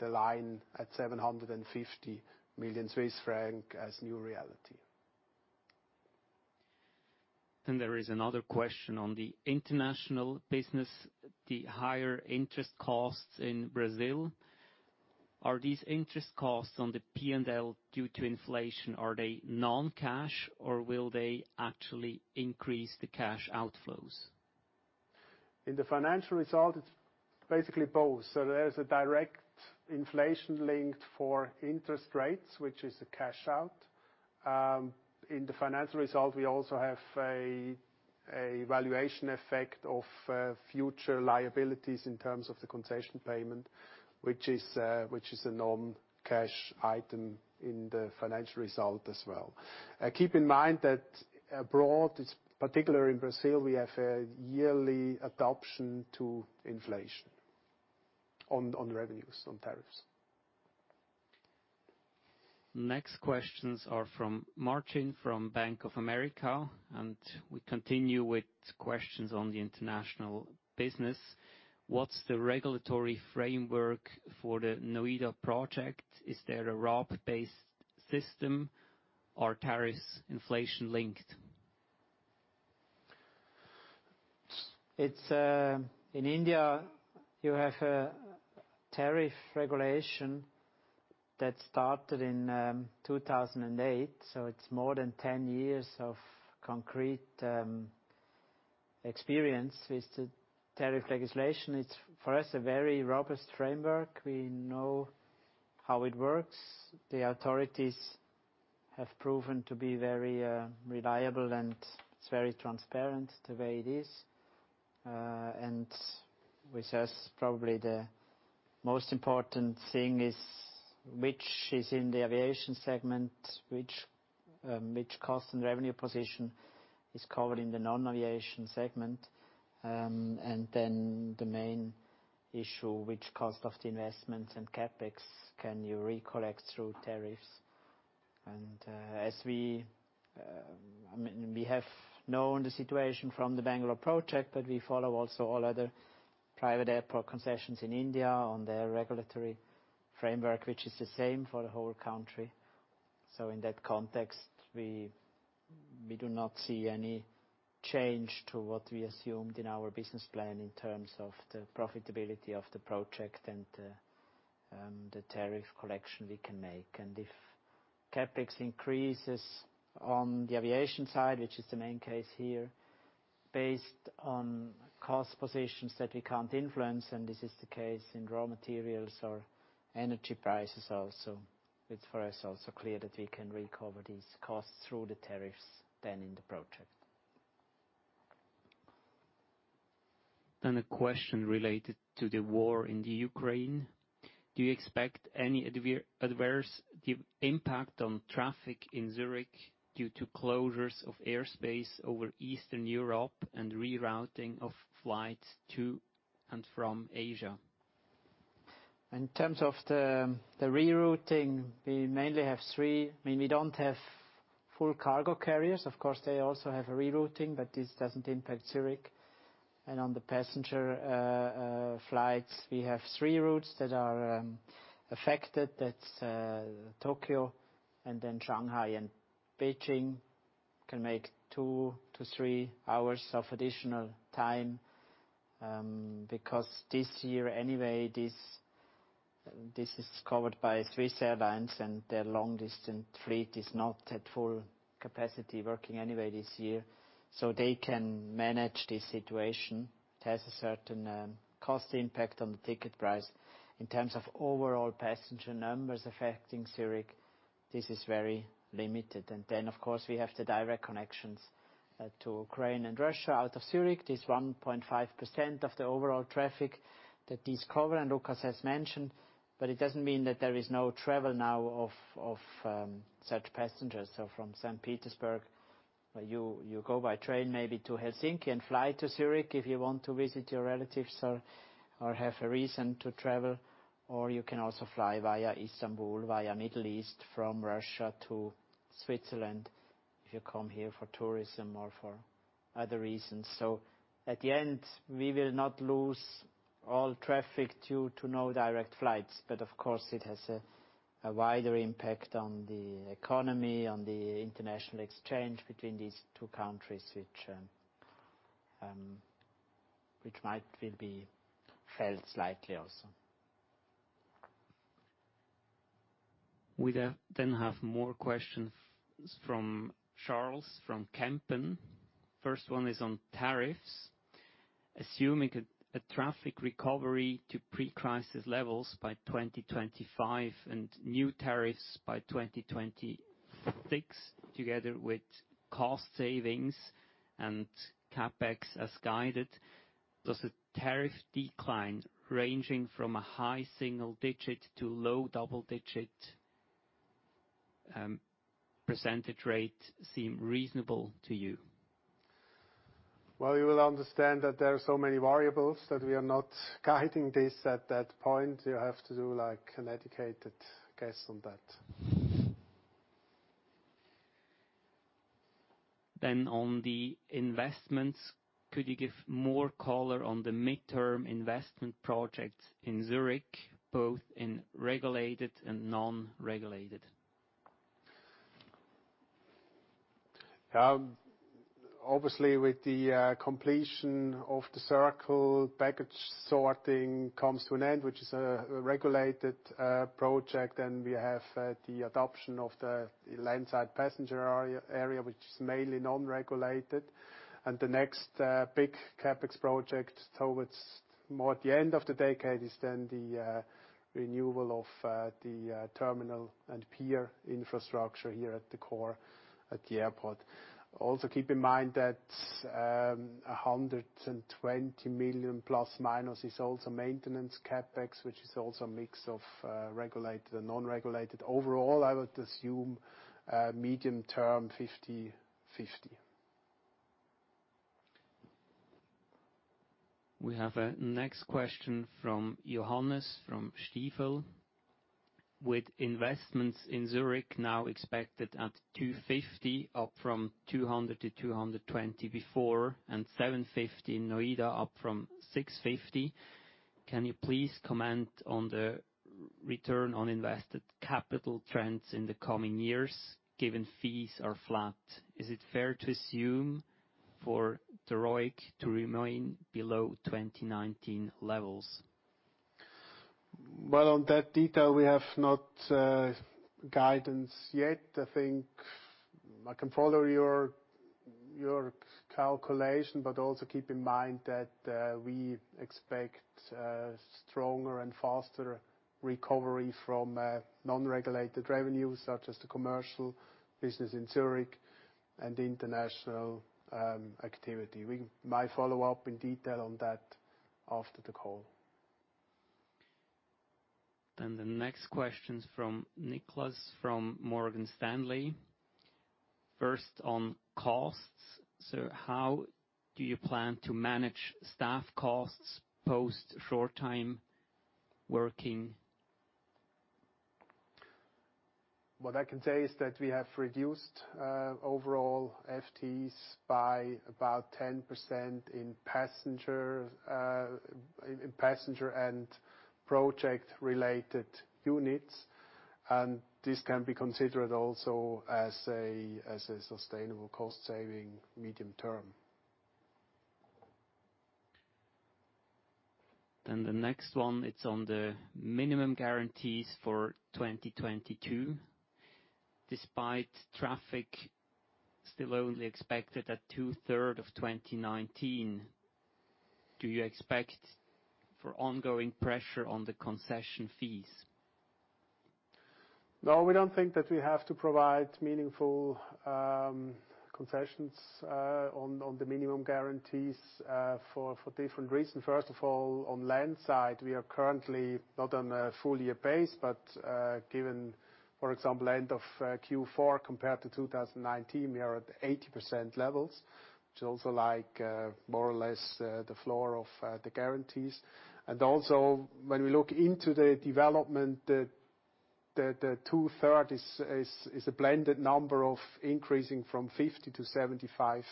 line at 750 million Swiss franc as new reality. There is another question on the international business, the higher interest costs in Brazil. Are these interest costs on the P&L due to inflation? Are they non-cash or will they actually increase the cash outflows? In the financial result, it's basically both. There is a direct inflation-linked for interest rates, which is a cash out. In the financial result, we also have a valuation effect of future liabilities in terms of the concession payment, which is a non-cash item in the financial result as well. Keep in mind that abroad, it's particularly in Brazil, we have a yearly adjustment to inflation on revenues, on tariffs. Next questions are from Martin from Bank of America, and we continue with questions on the international business. What's the regulatory framework for the Noida project? Is there a RAB-based system? Are tariffs inflation-linked? In India, you have a tariff regulation that started in 2008, so it's more than 10 years of concrete experience with the tariff legislation. It's, for us, a very robust framework. We know how it works. The authorities have proven to be very reliable, and it's very transparent the way it is. With us, probably the most important thing is which is in the aviation segment, which cost and revenue position is covered in the non-aviation segment. Then the main issue, which cost of the investments and CapEx can you recover through tariffs. As we, I mean, we have known the situation from the Bangalore project, but we follow also all other private airport concessions in India on their regulatory framework, which is the same for the whole country. In that context, we do not see any change to what we assumed in our business plan in terms of the profitability of the project and the tariff collection we can make. If CapEx increases on the aviation side, which is the main case here, based on cost positions that we can't influence, and this is the case in raw materials or energy prices also, it's for us also clear that we can recover these costs through the tariffs than in the project. A question related to the war in the Ukraine. Do you expect any adverse impact on traffic in Zurich due to closures of airspace over Eastern Europe and rerouting of flights to and from Asia? In terms of the rerouting, we mainly have three. I mean, we don't have full cargo carriers. Of course, they also have a rerouting, but this doesn't impact Zurich. On the passenger flights, we have three routes that are affected. That's Tokyo, and then Shanghai and Beijing can make two to three hours of additional time. Because this year anyway, this is covered by Swiss Airlines, and their long-distance fleet is not at full capacity working anyway this year, so they can manage the situation. It has a certain cost impact on the ticket price. In terms of overall passenger numbers affecting Zurich, this is very limited. Of course, we have the direct connections to Ukraine and Russia out of Zurich. There's 1.5% of the overall traffic that is covered, and Lukas has mentioned. It doesn't mean that there is no travel now of such passengers. From St. Petersburg, you go by train maybe to Helsinki and fly to Zurich if you want to visit your relatives or have a reason to travel, or you can also fly via Istanbul, via Middle East from Russia to Switzerland if you come here for tourism or for other reasons. At the end, we will not lose all traffic due to no direct flights. Of course, it has a wider impact on the economy, on the international exchange between these two countries, which will be felt slightly also. We then have more questions from Charles from Kempen. First one is on tariffs. Assuming a traffic recovery to pre-crisis levels by 2025 and new tariffs by 2026, together with cost savings and CapEx as guided, does a tariff decline ranging from a high single-digit to low double-digit % seem reasonable to you? Well, you will understand that there are so many variables that we are not guiding this at that point. You have to do like an educated guess on that. On the investments, could you give more color on the midterm investment project in Zürich, both in regulated and non-regulated? Obviously, with the completion of The Circle, package sorting comes to an end, which is a regulated project, and we have the expansion of the landside passenger area, which is mainly non-regulated. The next big CapEx project toward the end of the decade is the renewal of the terminal and pier infrastructure here at the core of the airport. Also, keep in mind that 120 million ± is also maintenance CapEx, which is also a mix of regulated and non-regulated. Overall, I would assume medium term 50-50. We have a next question from Johannes, from Stifel. With investments in Zurich now expected at 250 up from 200-220 before, and 750 in Noida up from 650, can you please comment on the return on invested capital trends in the coming years given fees are flat? Is it fair to assume for the ROIC to remain below 2019 levels? Well, on that detail, we have no guidance yet. I think I can follow your calculation, but also keep in mind that we expect a stronger and faster recovery from non-regulated revenues, such as the commercial business in Zurich and international activity. We might follow up in detail on that after the call. The next question is from Nicholas from Morgan Stanley. First, on costs, so how do you plan to manage staff costs post short-time working? What I can say is that we have reduced overall FTEs by about 10% in passenger and project related units. This can be considered also as a sustainable cost saving medium term. The next one, it's on the minimum guarantees for 2022. Despite traffic still only expected at two-thirds of 2019, do you expect ongoing pressure on the concession fees? No, we don't think that we have to provide meaningful concessions on the minimum guarantees for different reasons. First of all, on land side, we are currently not on a full year pace, but given, for example, end of Q4 compared to 2019, we are at 80% levels, which is also like more or less the floor of the guarantees. When we look into the development, the two-thirds is a blended number of increasing from 50% to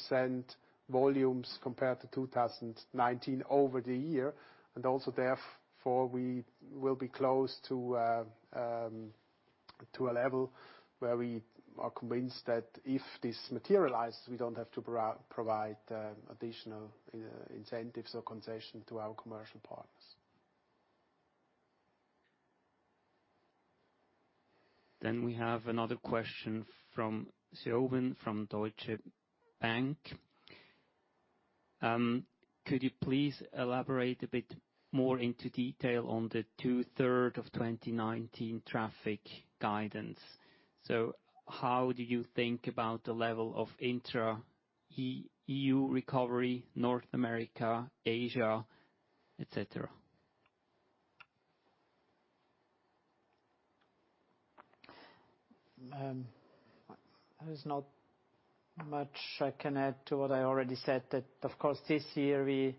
75% volumes compared to 2019 over the year. Therefore, we will be close to a level where we are convinced that if this materializes, we don't have to provide additional incentives or concession to our commercial partners. We have another question from Steven from Deutsche Bank. Could you please elaborate a bit more into detail on the two-thirds of 2019 traffic guidance? How do you think about the level of intra-EU recovery, North America, Asia, et cetera? There is not much I can add to what I already said. That, of course, this year we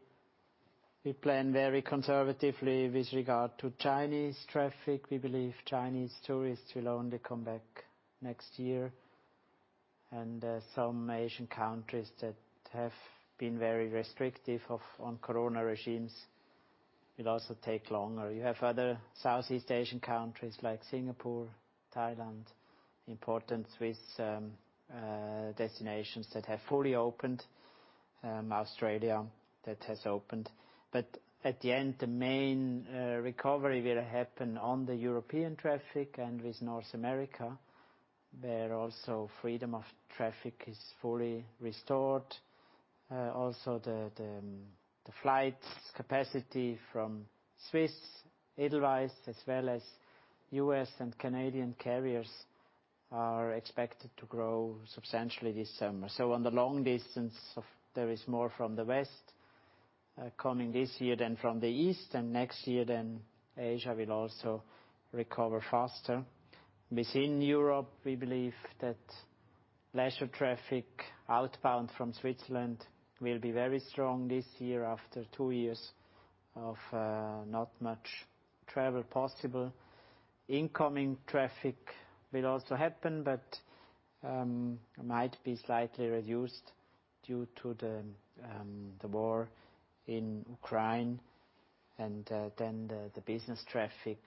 plan very conservatively with regard to Chinese traffic. We believe Chinese tourists will only come back next year. Some Asian countries that have been very restrictive on corona regimes, it'll also take longer. You have other Southeast Asian countries like Singapore, Thailand, important Swiss destinations that have fully opened, Australia that has opened. At the end, the main recovery will happen on the European traffic and with North America, where also freedom of traffic is fully restored. Also the flight capacity from Swiss, Edelweiss, as well as U.S. and Canadian carriers are expected to grow substantially this summer. On the long distance there is more from the West coming this year than from the East, and next year then Asia will also recover faster. Within Europe, we believe that leisure traffic outbound from Switzerland will be very strong this year after two years of not much travel possible. Incoming traffic will also happen, but might be slightly reduced due to the war in Ukraine. Then the business traffic,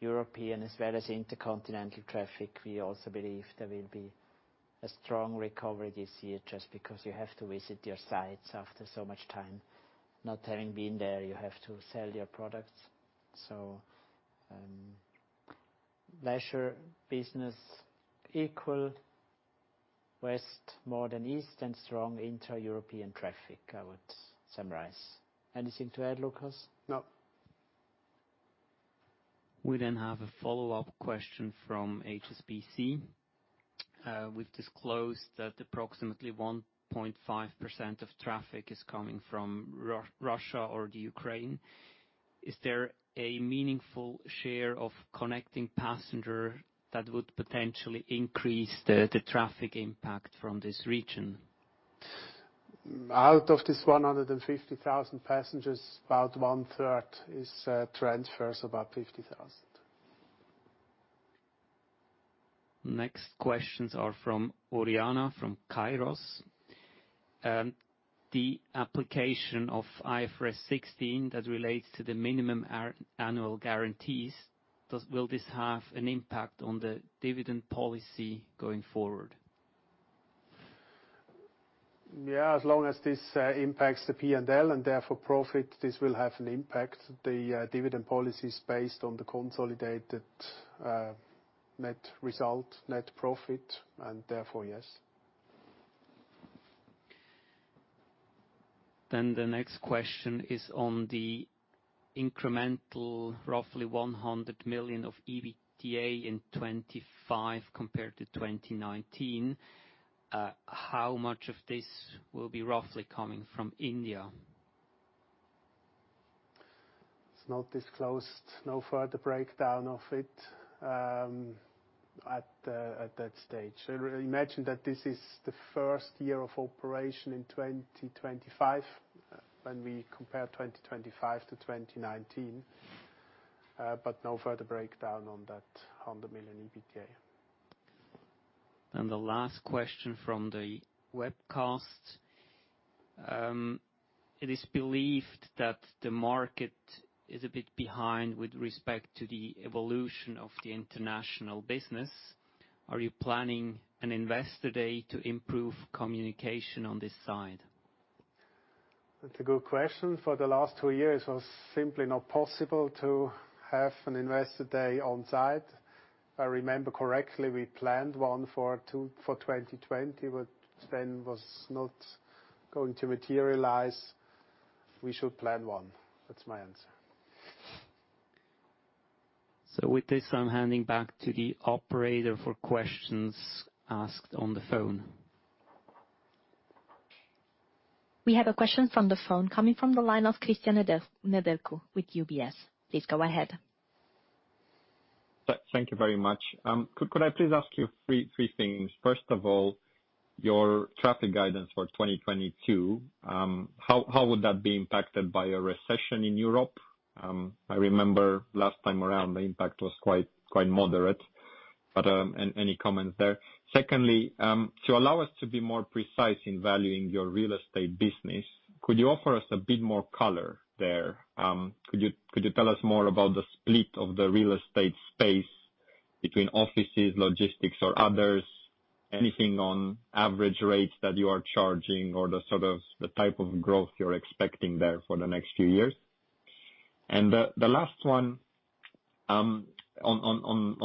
European as well as intercontinental traffic, we also believe there will be a strong recovery this year just because you have to visit your sites after so much time not having been there. You have to sell your products. Leisure business equal, West more than East, and strong intra-European traffic, I would summarize. Anything to add, Lukas? No. We have a follow-up question from HSBC. We've disclosed that approximately 1.5% of traffic is coming from Russia or Ukraine. Is there a meaningful share of connecting passenger that would potentially increase the traffic impact from this region? Out of this 150,000 passengers, about one-third is transfers, about 50,000. Next questions are from Oriana from Kairos. The application of IFRS 16 that relates to the minimum annual guarantees, will this have an impact on the dividend policy going forward? Yeah, as long as this impacts the P&L, and therefore profit, this will have an impact. The dividend policy's based on the consolidated net result, net profit, and therefore, yes. The next question is on the incremental roughly 100 million of EBITDA in 2025 compared to 2019. How much of this will be roughly coming from India? It's not disclosed, no further breakdown of it, at that stage. Imagine that this is the first year of operation in 2025 when we compare 2025 to 2019, but no further breakdown on that 100 million EBITDA. The last question from the webcast. It is believed that the market is a bit behind with respect to the evolution of the international business. Are you planning an investor day to improve communication on this side? That's a good question. For the last two years, it was simply not possible to have an investor day on site. If I remember correctly, we planned one for 2020, which then was not going to materialize. We should plan one. That's my answer. With this, I'm handing back to the operator for questions asked on the phone. We have a question from the phone coming from the line of Cristian Nedelcu with UBS. Please go ahead. Thank you very much. Could I please ask you three things? First of all, your traffic guidance for 2022, how would that be impacted by a recession in Europe? I remember last time around, the impact was quite moderate, but any comments there? Secondly, to allow us to be more precise in valuing your real estate business, could you offer us a bit more color there? Could you tell us more about the split of the real estate space between offices, logistics or others? Anything on average rates that you are charging or the sort of the type of growth you're expecting there for the next few years? The last one, on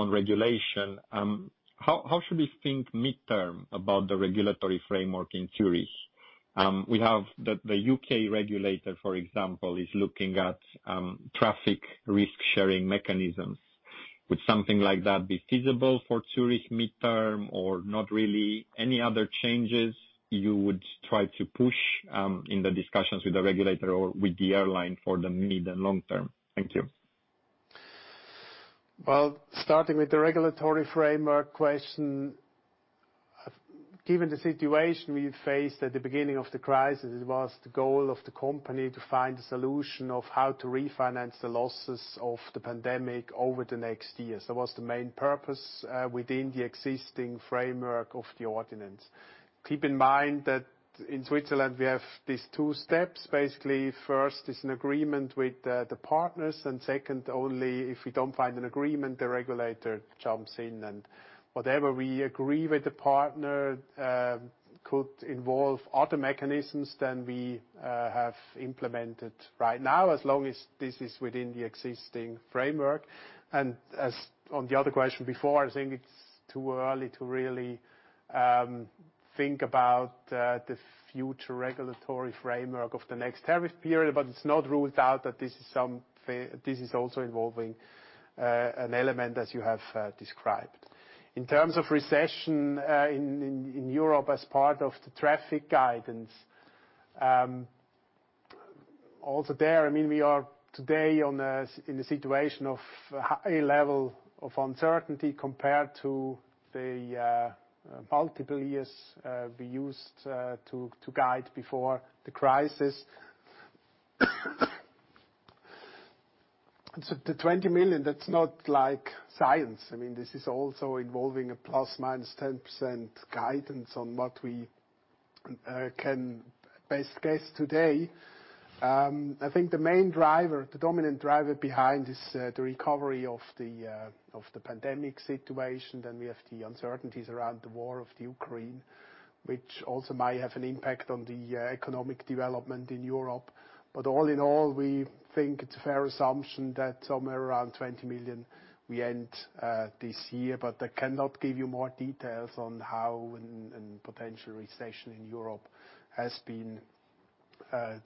regulation, how should we think midterm about the regulatory framework in Zurich? We have the U.K. regulator, for example, is looking at traffic risk-sharing mechanisms. Would something like that be feasible for Zurich midterm or not really? Any other changes you would try to push in the discussions with the regulator or with the airline for the mid and long term? Thank you. Well, starting with the regulatory framework question, given the situation we faced at the beginning of the crisis, it was the goal of the company to find a solution of how to refinance the losses of the pandemic over the next years. That was the main purpose, within the existing framework of the ordinance. Keep in mind that in Switzerland, we have these two steps. Basically, first is an agreement with the partners, and second, only if we don't find an agreement, the regulator jumps in. Whatever we agree with the partner could involve other mechanisms than we have implemented right now, as long as this is within the existing framework. As on the other question before, I think it's too early to really think about the future regulatory framework of the next tariff period, but it's not ruled out that this is also involving an element as you have described. In terms of recession in Europe as part of the traffic guidance, also there, I mean, we are today in a situation of high level of uncertainty compared to the multiple years we used to guide before the crisis. The 20 million, that's not like science. I mean, this is also involving a ±10% guidance on what we can best guess today. I think the main driver, the dominant driver behind this, the recovery of the pandemic situation, then we have the uncertainties around the war in Ukraine, which also might have an impact on the economic development in Europe. All in all, we think it's a fair assumption that somewhere around 20 million we end this year. I cannot give you more details on how and potential recession in Europe has been-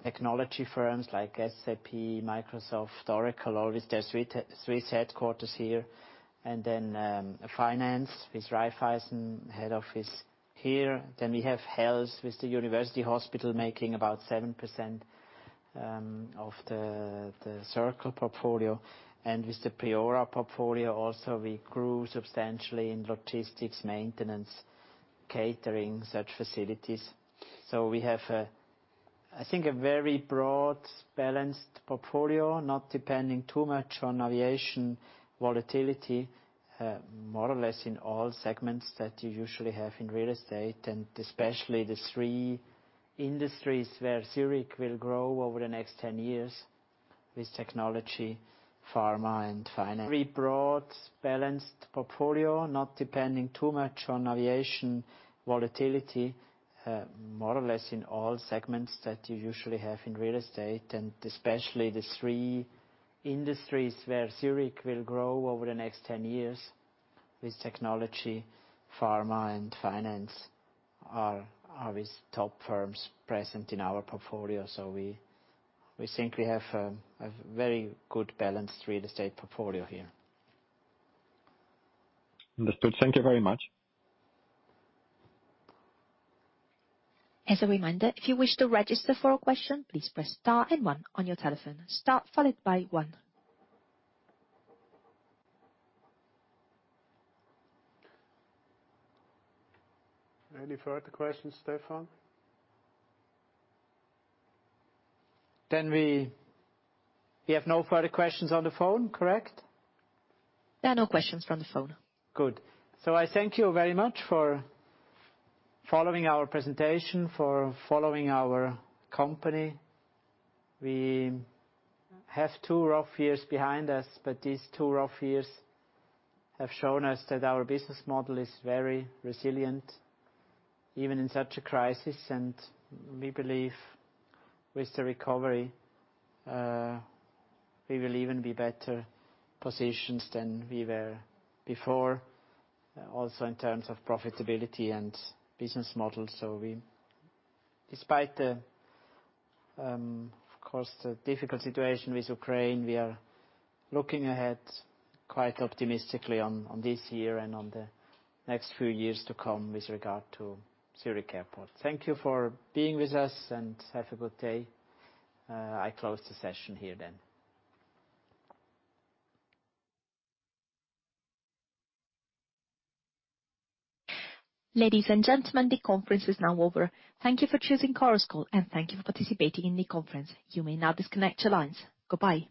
Technology firms like SAP, Microsoft, Oracle, all with their Swiss headquarters here. Finance with Raiffeisen head office here. We have health with the university hospital making about 7% of the Circle portfolio. With the Priora portfolio also, we grew substantially in logistics, maintenance, catering, such facilities. We have, I think, a very broad, balanced portfolio, not depending too much on aviation volatility. More or less in all segments that you usually have in real estate, and especially the three industries where Zurich will grow over the next 10 years with technology, pharma, and finance. Very broad, balanced portfolio, not depending too much on aviation volatility. More or less in all segments that you usually have in real estate, and especially the three industries where Zurich will grow over the next 10 years with technology, pharma, and finance are with top firms present in our portfolio. We think we have a very good balanced real estate portfolio here. Understood. Thank you very much. As a reminder, if you wish to register for a question, please press star and one on your telephone. Star followed by one. Any further questions, Stefan? We have no further questions on the phone, correct? There are no questions from the phone. Good. I thank you very much for following our presentation, for following our company. We have two rough years behind us, but these two rough years have shown us that our business model is very resilient, even in such a crisis. We believe with the recovery, we will even be better positioned than we were before, also in terms of profitability and business model. Despite, of course, the difficult situation with Ukraine, we are looking ahead quite optimistically on this year and on the next few years to come with regard to Zurich Airport. Thank you for being with us, and have a good day. I close the session here then. Ladies and gentlemen, the conference is now over. Thank you for choosing Chorus Call, and thank you for participating in the conference. You may now disconnect your lines. Goodbye.